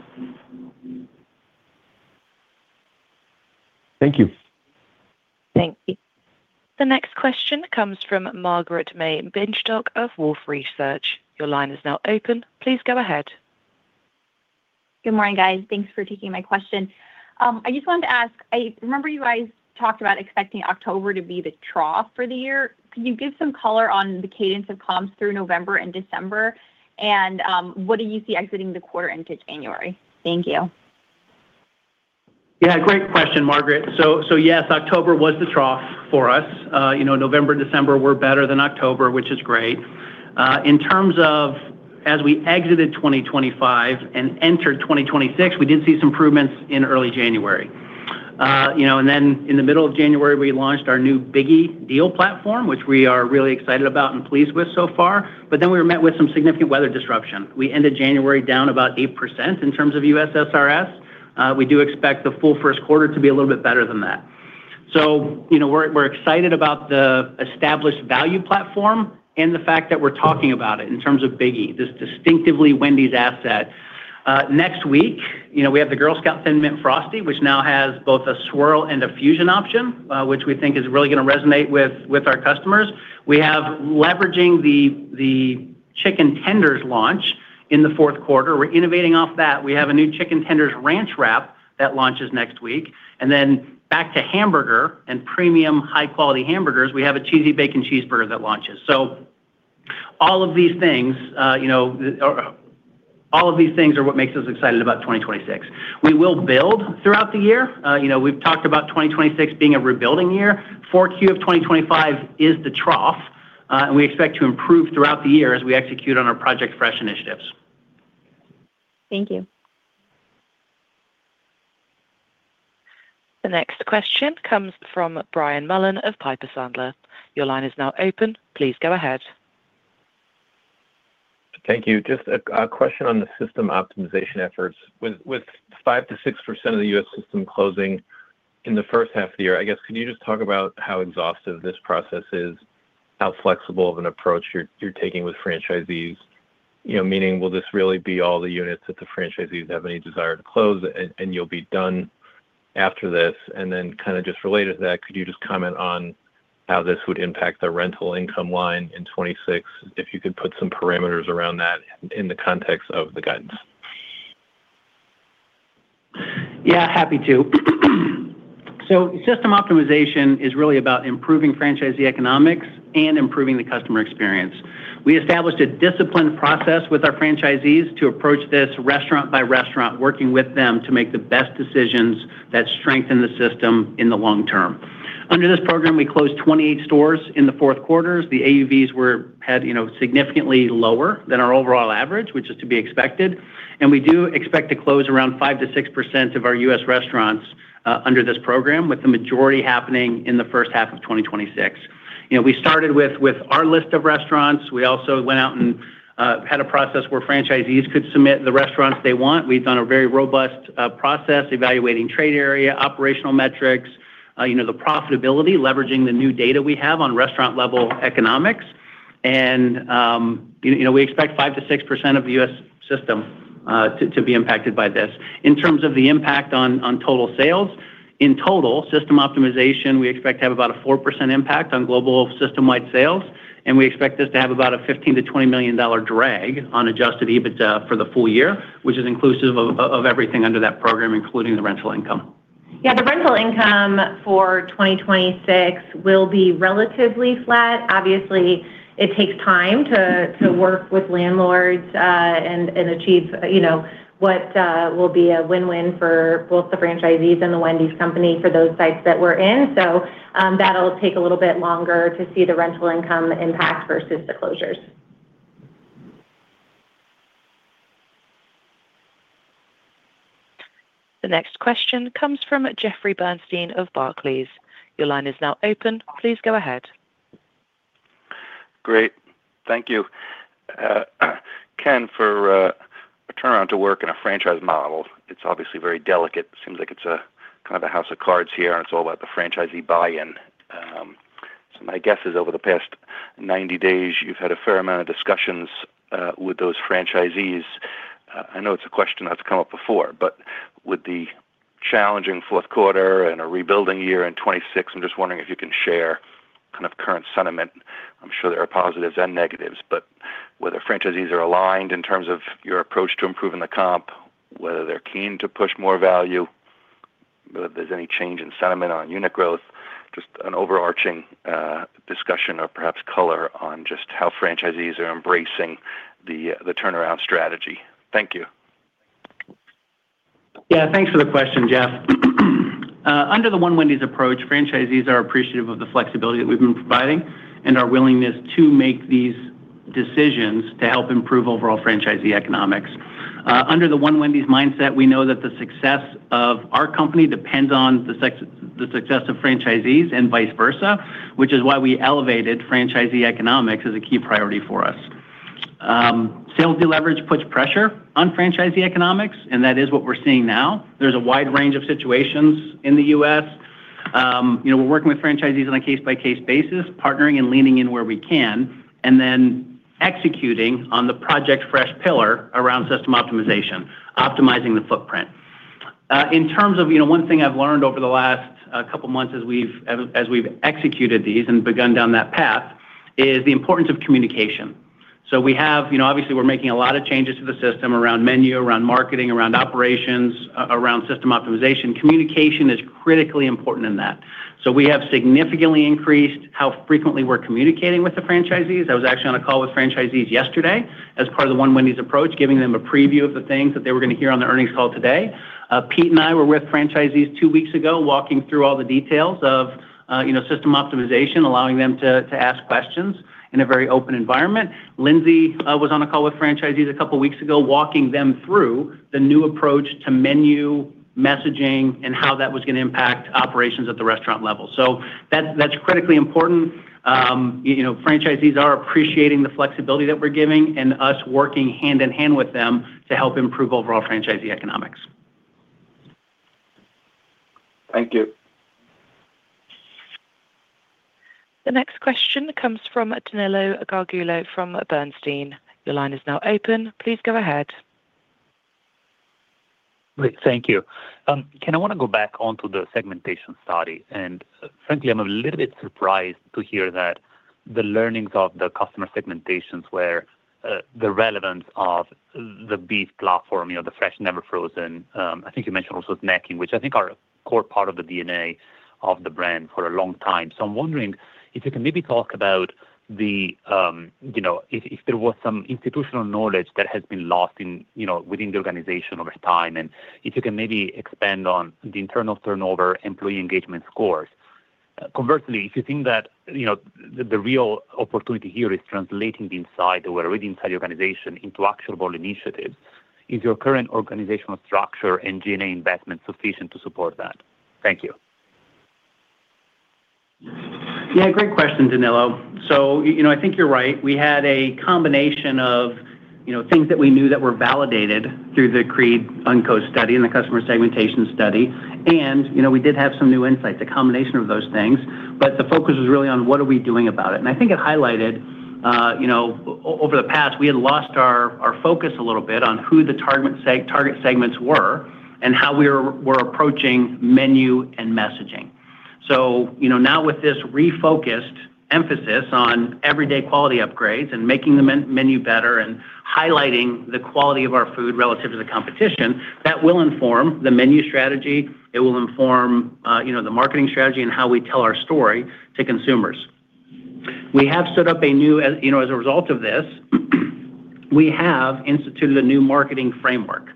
Thank you. Thank you. The next question comes from Margaret-May Binshtok of Wolfe Research. Your line is now open. Please go ahead. Good morning, guys. Thanks for taking my question. I just wanted to ask, I remember you guys talked about expecting October to be the trough for the year. Could you give some color on the cadence of comps through November and December? And, what do you see exiting the quarter into January? Thank you. Yeah, great question, Margaret. So, so yes, October was the trough for us. You know, November, December were better than October, which is great. In terms of as we exited 2025 and entered 2026, we did see some improvements in early January. You know, and then in the middle of January, we launched our new Biggie Deals platform, which we are really excited about and pleased with so far, but then we were met with some significant weather disruption. We ended January down about 8% in terms of U.S. SRS. We do expect the full first quarter to be a little bit better than that. So you know, we're, we're excited about the established value platform and the fact that we're talking about it in terms of Biggie, this distinctively Wendy's asset. Next week, you know, we have the Girl Scout Thin Mint Frosty, which now has both a swirl and a fusion option, which we think is really going to resonate with, with our customers. We have leveraging the chicken tenders launch in the fourth quarter. We're innovating off that. We have a new Chicken Tenders Ranch Wrap that launches next week, and then back to hamburger and premium high-quality hamburgers, we have a Cheesy Bacon Cheeseburger that launches. So all of these things, you know, or all of these things are what makes us excited about 2026. We will build throughout the year. You know, we've talked about 2026 being a rebuilding year. 4Q of 2025 is the trough, and we expect to improve throughout the year as we execute on our Project Fresh initiatives. Thank you. The next question comes from Brian Mullan of Piper Sandler. Your line is now open. Please go ahead. Thank you. Just a question on the system optimization efforts. With 5% to 6% of the U.S. system closing in the first half of the year, I guess, can you just talk about how exhaustive this process is, how flexible of an approach you're taking with franchisees? You know, meaning, will this really be all the units that the franchisees have any desire to close and you'll be done after this? And then kind of just related to that, could you just comment on how this would impact the rental income line in 2026, if you could put some parameters around that in the context of the guidance? Yeah, happy to. So system optimization is really about improving franchisee economics and improving the customer experience. We established a disciplined process with our franchisees to approach this restaurant by restaurant, working with them to make the best decisions that strengthen the system in the long term. Under this program, we closed 28 stores in the fourth quarter. The AUVs had, you know, significantly lower than our overall average, which is to be expected, and we do expect to close around 5%-6% of our U.S. restaurants under this program, with the majority happening in the first half of 2026. You know, we started with our list of restaurants. We also went out and had a process where franchisees could submit the restaurants they want. We've done a very robust process, evaluating trade area, operational metrics, you know, the profitability, leveraging the new data we have on restaurant-level economics. You know, we expect 5%-6% of the U.S. system to be impacted by this. In terms of the impact on total sales, in total, system optimization, we expect to have about a 4% impact on global system-wide sales, and we expect this to have about a $15 million-$20 million drag on adjusted EBITDA for the full year, which is inclusive of everything under that program, including the rental income. Yeah, the rental income for 2026 will be relatively flat. Obviously, it takes time to work with landlords and achieve, you know, what will be a win-win for both the franchisees and The Wendy's Company for those sites that we're in. So, that'll take a little bit longer to see the rental income impact versus the closures. The next question comes from Jeffrey Bernstein of Barclays. Your line is now open. Please go ahead. Great. Thank you. Ken, for a turnaround to work in a franchise model, it's obviously very delicate. It seems like it's a kind of a house of cards here, and it's all about the franchisee buy-in. So my guess is over the past 90 days, you've had a fair amount of discussions with those franchisees. I know it's a question that's come up before, but with the challenging fourth quarter and a rebuilding year in 2026, I'm just wondering if you can share kind of current sentiment. I'm sure there are positives and negatives, but whether franchisees are aligned in terms of your approach to improving the comp, whether they're keen to push more value, whether there's any change in sentiment on unit growth, just an overarching discussion or perhaps color on just how franchisees are embracing the turnaround strategy. Thank you. Yeah, thanks for the question, Jeff. Under the One Wendy's approach, franchisees are appreciative of the flexibility that we've been providing and our willingness to make these decisions to help improve overall franchisee economics. Under the One Wendy's mindset, we know that the success of our company depends on the success of franchisees and vice versa, which is why we elevated franchisee economics as a key priority for us. Sales deleverage puts pressure on franchisee economics, and that is what we're seeing now. There's a wide range of situations in the U.S. You know, we're working with franchisees on a case-by-case basis, partnering and leaning in where we can, and then executing on the Project Fresh pillar around system optimization, optimizing the footprint. In terms of, you know, one thing I've learned over the last, couple months as we've executed these and begun down that path, is the importance of communication. So we have, you know, obviously, we're making a lot of changes to the system around menu, around marketing, around operations, around system optimization. Communication is critically important in that. So we have significantly increased how frequently we're communicating with the franchisees. I was actually on a call with franchisees yesterday as part of the One Wendy's approach, giving them a preview of the things that they were gonna hear on the earnings call today. Pete and I were with franchisees two weeks ago, walking through all the details of, you know, system optimization, allowing them to ask questions in a very open environment. Lindsay was on a call with franchisees a couple of weeks ago, walking them through the new approach to menu messaging and how that was gonna impact operations at the restaurant level. So that, that's critically important. You know, franchisees are appreciating the flexibility that we're giving and us working hand in hand with them to help improve overall franchisee economics. Thank you. The next question comes from Danilo Gargiulo from Bernstein. Your line is now open. Please go ahead. Great. Thank you. Ken, I wanna go back onto the segmentation study, and frankly, I'm a little bit surprised to hear that the learnings of the customer segmentations were the relevance of the beef platform, you know, the Fresh, Never Frozen. I think you mentioned also snacking, which I think are a core part of the DNA of the brand for a long time. So I'm wondering if you can maybe talk about the, you know, if, if there was some institutional knowledge that has been lost in, you know, within the organization over time, and if you can maybe expand on the internal turnover employee engagement scores. Conversely, if you think that, you know, the, the real opportunity here is translating the insight that were already inside the organization into actionable initiatives, is your current organizational structure and DNA investment sufficient to support that? Thank you. Yeah, great question, Danilo. So, you know, I think you're right. We had a combination of, you know, things that we knew that were validated through the Creed UnCo study and the customer segmentation study. And, you know, we did have some new insights, a combination of those things, but the focus was really on what are we doing about it? And I think it highlighted, you know, over the past, we had lost our focus a little bit on who the target segments were and how we're approaching menu and messaging. So, you know, now with this refocused emphasis on everyday quality upgrades and making the menu better and highlighting the quality of our food relative to the competition, that will inform the menu strategy. It will inform, you know, the marketing strategy and how we tell our story to consumers. We have set up a new, you know, as a result of this, we have instituted a new marketing framework,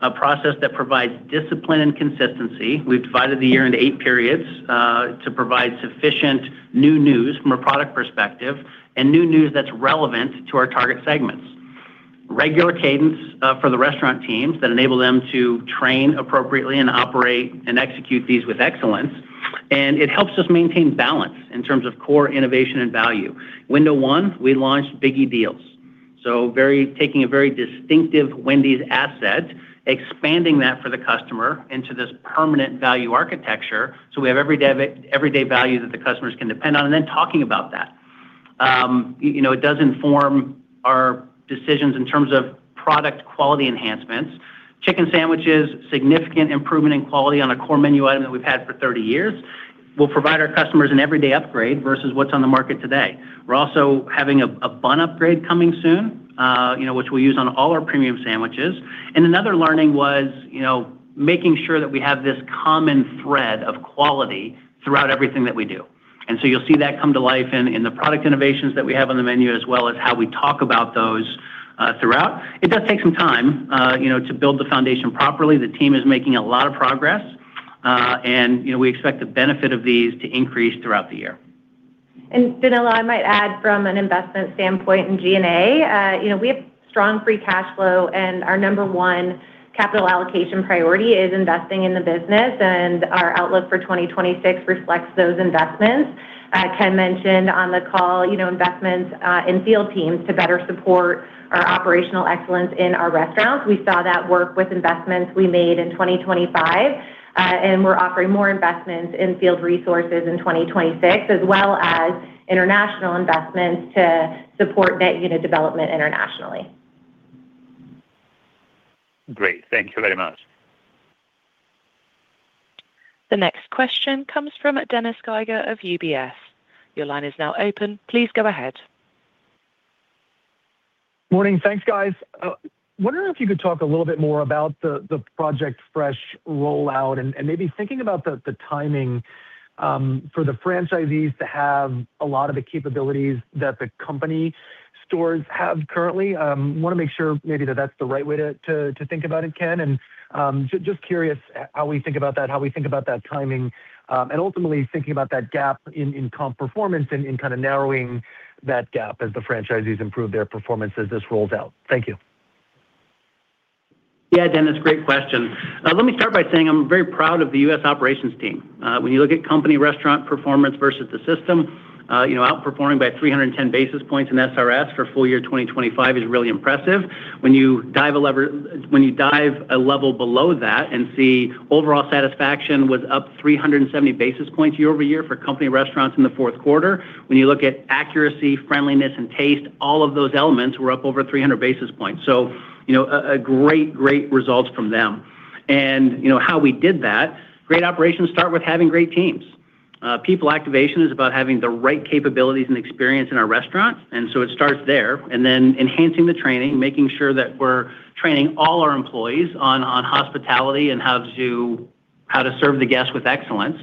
a process that provides discipline and consistency. We've divided the year into eight periods to provide sufficient new news from a product perspective and new news that's relevant to our target segments. Regular cadence for the restaurant teams that enable them to train appropriately and operate and execute these with excellence, and it helps us maintain balance in terms of core innovation and value. Window one, we launched Biggie Deals, so, taking a very distinctive Wendy's asset, expanding that for the customer into this permanent value architecture. So we have everyday value that the customers can depend on, and then talking about that. You know, it does inform our decisions in terms of product quality enhancements. Chicken sandwiches, significant improvement in quality on a core menu item that we've had for 30 years, will provide our customers an everyday upgrade versus what's on the market today. We're also having a bun upgrade coming soon, you know, which we'll use on all our premium sandwiches. And another learning was, you know, making sure that we have this common thread of quality throughout everything that we do. And so you'll see that come to life in the product innovations that we have on the menu, as well as how we talk about those throughout. It does take some time, you know, to build the foundation properly. The team is making a lot of progress, and, you know, we expect the benefit of these to increase throughout the year. Danilo, I might add from an investment standpoint in G&A, you know, we have strong free cash flow, and our number one capital allocation priority is investing in the business, and our outlook for 2026 reflects those investments. Ken mentioned on the call, you know, investments in field teams to better support our operational excellence in our restaurants. We saw that work with investments we made in 2025, and we're offering more investments in field resources in 2026, as well as international investments to support net new unit development internationally. Great. Thank you very much. The next question comes from Dennis Geiger of UBS. Your line is now open. Please go ahead. Morning. Thanks, guys. Wondering if you could talk a little bit more about the Project Fresh rollout and maybe thinking about the timing for the franchisees to have a lot of the capabilities that the company stores have currently. Want to make sure maybe that that's the right way to think about it, Ken, and so just curious how we think about that, how we think about that timing. And ultimately thinking about that gap in comp performance and in kind of narrowing that gap as the franchisees improve their performance as this rolls out. Thank you. Yeah, Dennis, great question. Let me start by saying I'm very proud of the U.S. operations team. When you look at company restaurant performance versus the system, you know, outperforming by 310 basis points in SRS for full year 2025 is really impressive. When you dive a level below that and see overall satisfaction was up 370 basis points year-over-year for company restaurants in the fourth quarter. When you look at accuracy, friendliness, and taste, all of those elements were up over 300 basis points. So, you know, great, great results from them. You know, how we did that, great operations start with having great teams. People activation is about having the right capabilities and experience in our restaurants, and so it starts there. And then enhancing the training, making sure that we're training all our employees on hospitality and how to serve the guests with excellence.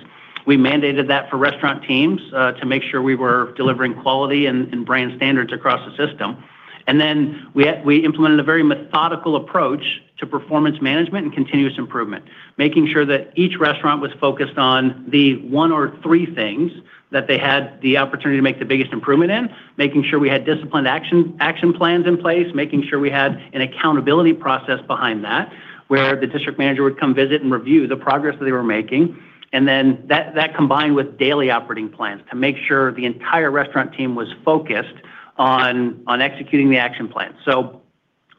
We mandated that for restaurant teams to make sure we were delivering quality and brand standards across the system. And then we implemented a very methodical approach to performance management and continuous improvement, making sure that each restaurant was focused on the one or three things that they had the opportunity to make the biggest improvement in. Making sure we had disciplined action plans in place, making sure we had an accountability process behind that, where the district manager would come visit and review the progress that they were making. And then that combined with daily operating plans to make sure the entire restaurant team was focused on executing the action plan. So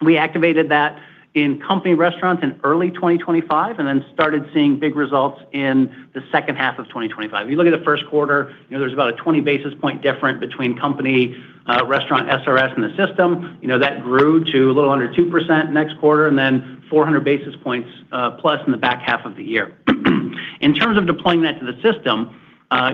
we activated that in company restaurants in early 2025 and then started seeing big results in the second half of 2025. If you look at the first quarter, you know, there's about a 20 basis point difference between company restaurant SRS and the system. You know, that grew to a little under 2% next quarter, and then 400 basis points plus in the back half of the year. In terms of deploying that to the system,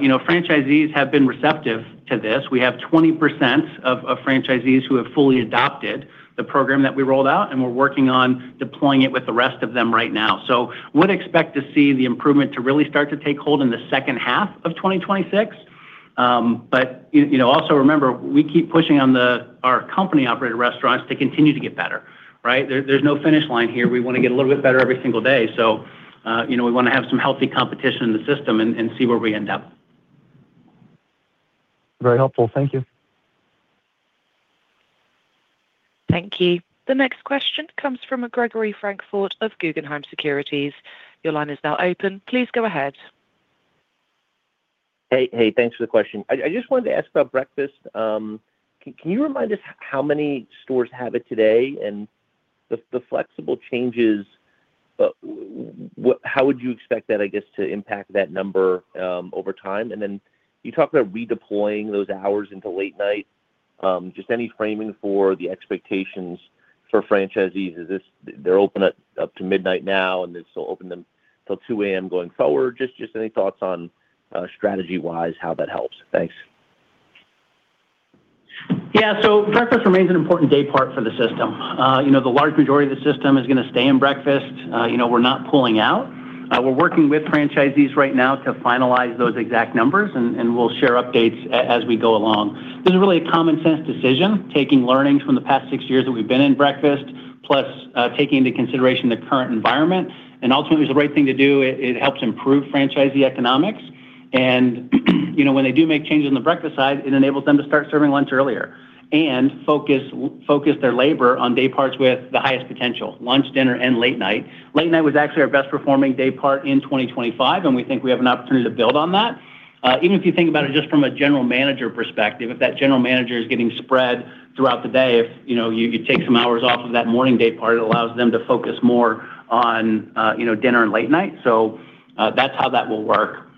you know, franchisees have been receptive to this. We have 20% of franchisees who have fully adopted the program that we rolled out, and we're working on deploying it with the rest of them right now. So would expect to see the improvement to really start to take hold in the second half of 2026. But, you know, also remember, we keep pushing on our company-operated restaurants to continue to get better, right? There's no finish line here. We want to get a little bit better every single day. So, you know, we want to have some healthy competition in the system and, and see where we end up. Very helpful. Thank you. Thank you. The next question comes from Gregory Francfort of Guggenheim Securities. Your line is now open. Please go ahead. Hey, hey, thanks for the question. I just wanted to ask about breakfast. Can you remind us how many stores have it today and the flexible changes, how would you expect that, I guess, to impact that number over time? And then you talked about redeploying those hours into late night. Just any framing for the expectations for franchisees, is this they're open up to midnight now, and they still open them till 2:00 A.M. going forward? Just, just any thoughts on, strategy-wise, how that helps? Thanks. Yeah, so breakfast remains an important daypart for the system. You know, the large majority of the system is gonna stay in breakfast. You know, we're not pulling out. We're working with franchisees right now to finalize those exact numbers, and we'll share updates as we go along. This is really a common sense decision, taking learnings from the past six years that we've been in breakfast, plus taking into consideration the current environment. Ultimately, it's the right thing to do. It helps improve franchisee economics. You know, when they do make changes on the breakfast side, it enables them to start serving lunch earlier and focus their labor on dayparts with the highest potential: lunch, dinner, and late night. Late night was actually our best performing daypart in 2025, and we think we have an opportunity to build on that. Even if you think about it just from a general manager perspective, if that general manager is getting spread throughout the day, if, you know, you could take some hours off of that morning daypart, it allows them to focus more on, you know, dinner and late night. So, that's how that will work.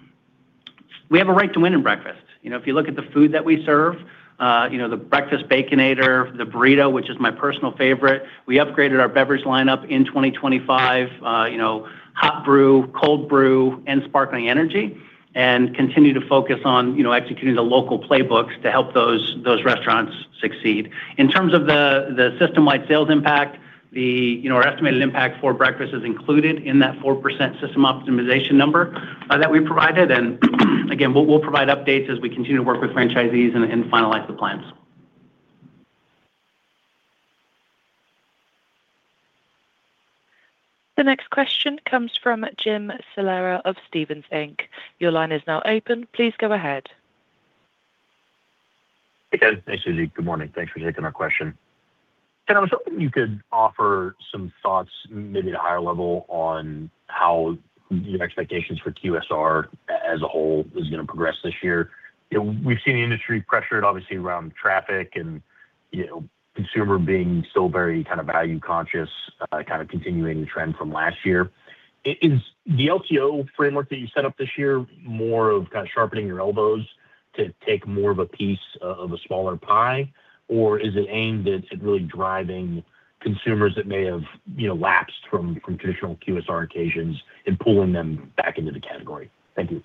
We have a right to win in breakfast. You know, if you look at the food that we serve, you know, the Breakfast Baconator, the burrito, which is my personal favorite. We upgraded our beverage lineup in 2025, you know, hot brew, cold brew, and sparkling energy, and continue to focus on, you know, executing the local playbooks to help those, those restaurants succeed. In terms of the system-wide sales impact. You know, our estimated impact for breakfast is included in that 4% system optimization number that we provided. And again, we'll provide updates as we continue to work with franchisees and finalize the plans. The next question comes from Jim Salera of Stephens Inc. Your line is now open. Please go ahead. Hey, guys. Thanks, Suzie. Good morning. Thanks for taking our question. Ken, I was hoping you could offer some thoughts, maybe at a higher level, on how your expectations for QSR as a whole is gonna progress this year. You know, we've seen the industry pressured, obviously, around traffic and, you know, consumer being still very kind of value conscious, kind of continuing trend from last year. Is the LTO framework that you set up this year more of kind of sharpening your elbows to take more of a piece of a smaller pie? Or is it aimed at really driving consumers that may have, you know, lapsed from traditional QSR occasions and pulling them back into the category? Thank you.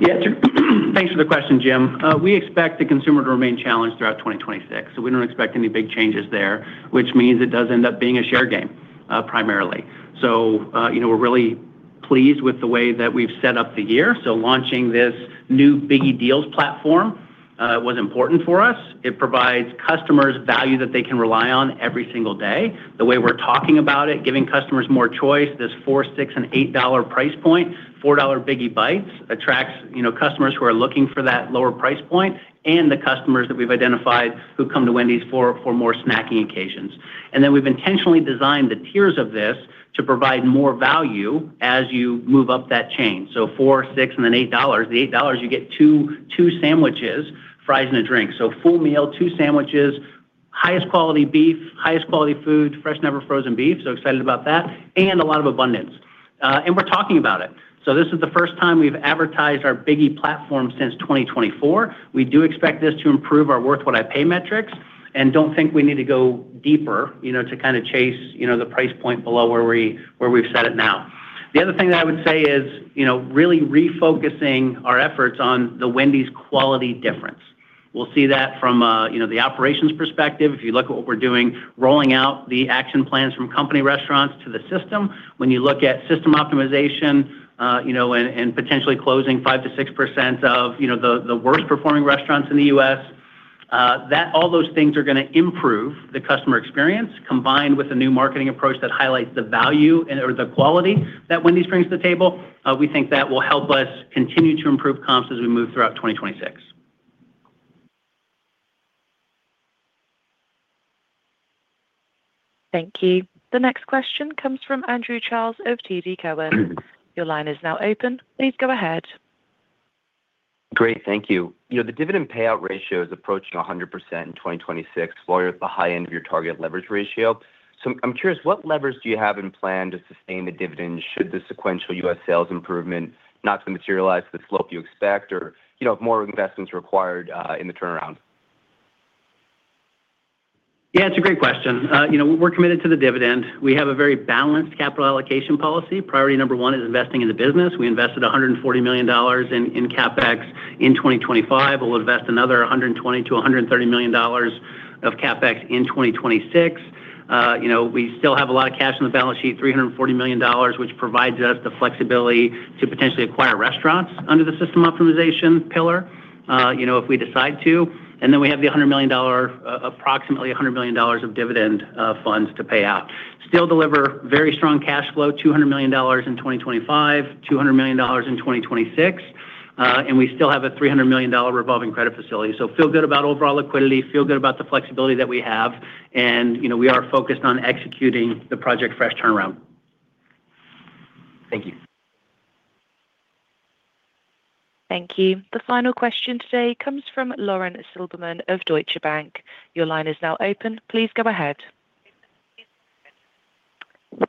Yeah, sure. Thanks for the question, Jim. We expect the consumer to remain challenged throughout 2026, so we don't expect any big changes there, which means it does end up being a share game, primarily. So, you know, we're really pleased with the way that we've set up the year. So launching this new Biggie Deals platform, was important for us. It provides customers value that they can rely on every single day. The way we're talking about it, giving customers more choice, this $4, $6, and $8 price point. $4 Biggie Bites attracts, you know, customers who are looking for that lower price point and the customers that we've identified who come to Wendy's for more snacking occasions. Then we've intentionally designed the tiers of this to provide more value as you move up that chain, so $4, $6, and then $8. The $8, you get two sandwiches, fries, and a drink. So full meal, two sandwiches, highest quality beef, highest quality food, Fresh, Never Frozen beef, so excited about that, and a lot of abundance. And we're talking about it. So this is the first time we've advertised our Biggie platform since 2024. We do expect this to improve our worth what I pay metrics and don't think we need to go deeper, you know, to kinda chase, you know, the price point below where we've set it now. The other thing that I would say is, you know, really refocusing our efforts on the Wendy's quality difference. We'll see that from, you know, the operations perspective. If you look at what we're doing, rolling out the action plans from company restaurants to the system. When you look at system optimization, you know, and, and potentially closing 5%-6% of, you know, the, the worst performing restaurants in the U.S., that all those things are gonna improve the customer experience, combined with a new marketing approach that highlights the value and/or the quality that Wendy's brings to the table. We think that will help us continue to improve comps as we move throughout 2026. Thank you. The next question comes from Andrew Charles of TD Cowen. Your line is now open. Please go ahead. Great. Thank you. You know, the dividend payout ratio is approaching 100% in 2026, while you're at the high end of your target leverage ratio. So I'm curious, what levers do you have in plan to sustain the dividend should the sequential U.S. sales improvement not to materialize the slope you expect or, you know, if more investment's required in the turnaround? Yeah, it's a great question. You know, we're committed to the dividend. We have a very balanced capital allocation policy. Priority number one is investing in the business. We invested $140 million in CapEx in 2025. We'll invest another $120 million-$130 million of CapEx in 2026. You know, we still have a lot of cash on the balance sheet, $340 million, which provides us the flexibility to potentially acquire restaurants under the system optimization pillar, you know, if we decide to. And then we have the $100 million, approximately $100 million of dividend funds to pay out. Still deliver very strong cash flow, $200 million in 2025, $200 million in 2026, and we still have a $300 million revolving credit facility. So feel good about overall liquidity, feel good about the flexibility that we have, and, you know, we are focused on executing the Project Fresh turnaround. Thank you. Thank you. The final question today comes from Lauren Silberman of Deutsche Bank. Your line is now open. Please go ahead.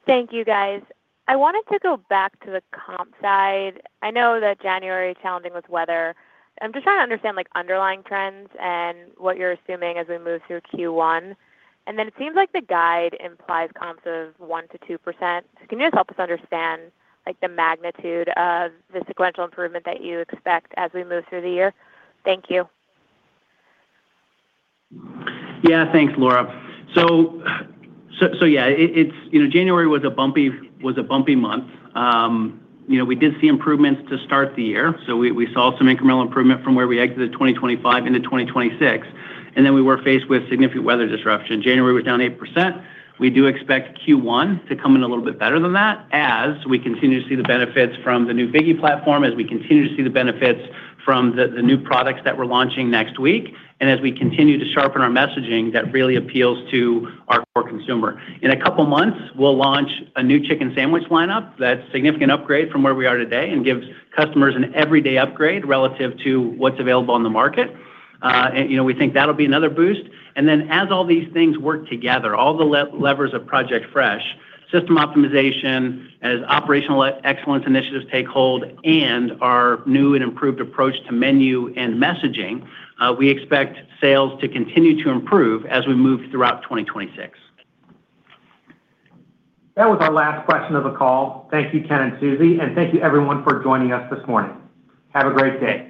Thank you, guys. I wanted to go back to the comp side. I know that January is challenging with weather. I'm just trying to understand, like, underlying trends and what you're assuming as we move through Q1. And then it seems like the guide implies comps of 1%-2%. Can you just help us understand, like, the magnitude of the sequential improvement that you expect as we move through the year? Thank you. Yeah, thanks, Lauren. So yeah, it's--You know, January was a bumpy month. You know, we did see improvements to start the year, so we saw some incremental improvement from where we exited 2025 into 2026, and then we were faced with significant weather disruption. January was down 8%. We do expect Q1 to come in a little bit better than that as we continue to see the benefits from the new Biggie platform, as we continue to see the benefits from the new products that we're launching next week, and as we continue to sharpen our messaging, that really appeals to our core consumer. In a couple months, we'll launch a new chicken sandwich lineup. That's a significant upgrade from where we are today and gives customers an everyday upgrade relative to what's available on the market. And, you know, we think that'll be another boost. And then, as all these things work together, all the levers of Project Fresh, system optimization, as operational excellence initiatives take hold, and our new and improved approach to menu and messaging, we expect sales to continue to improve as we move throughout 2026. That was our last question of the call. Thank you, Ken and Suzie, and thank you everyone for joining us this morning. Have a great day.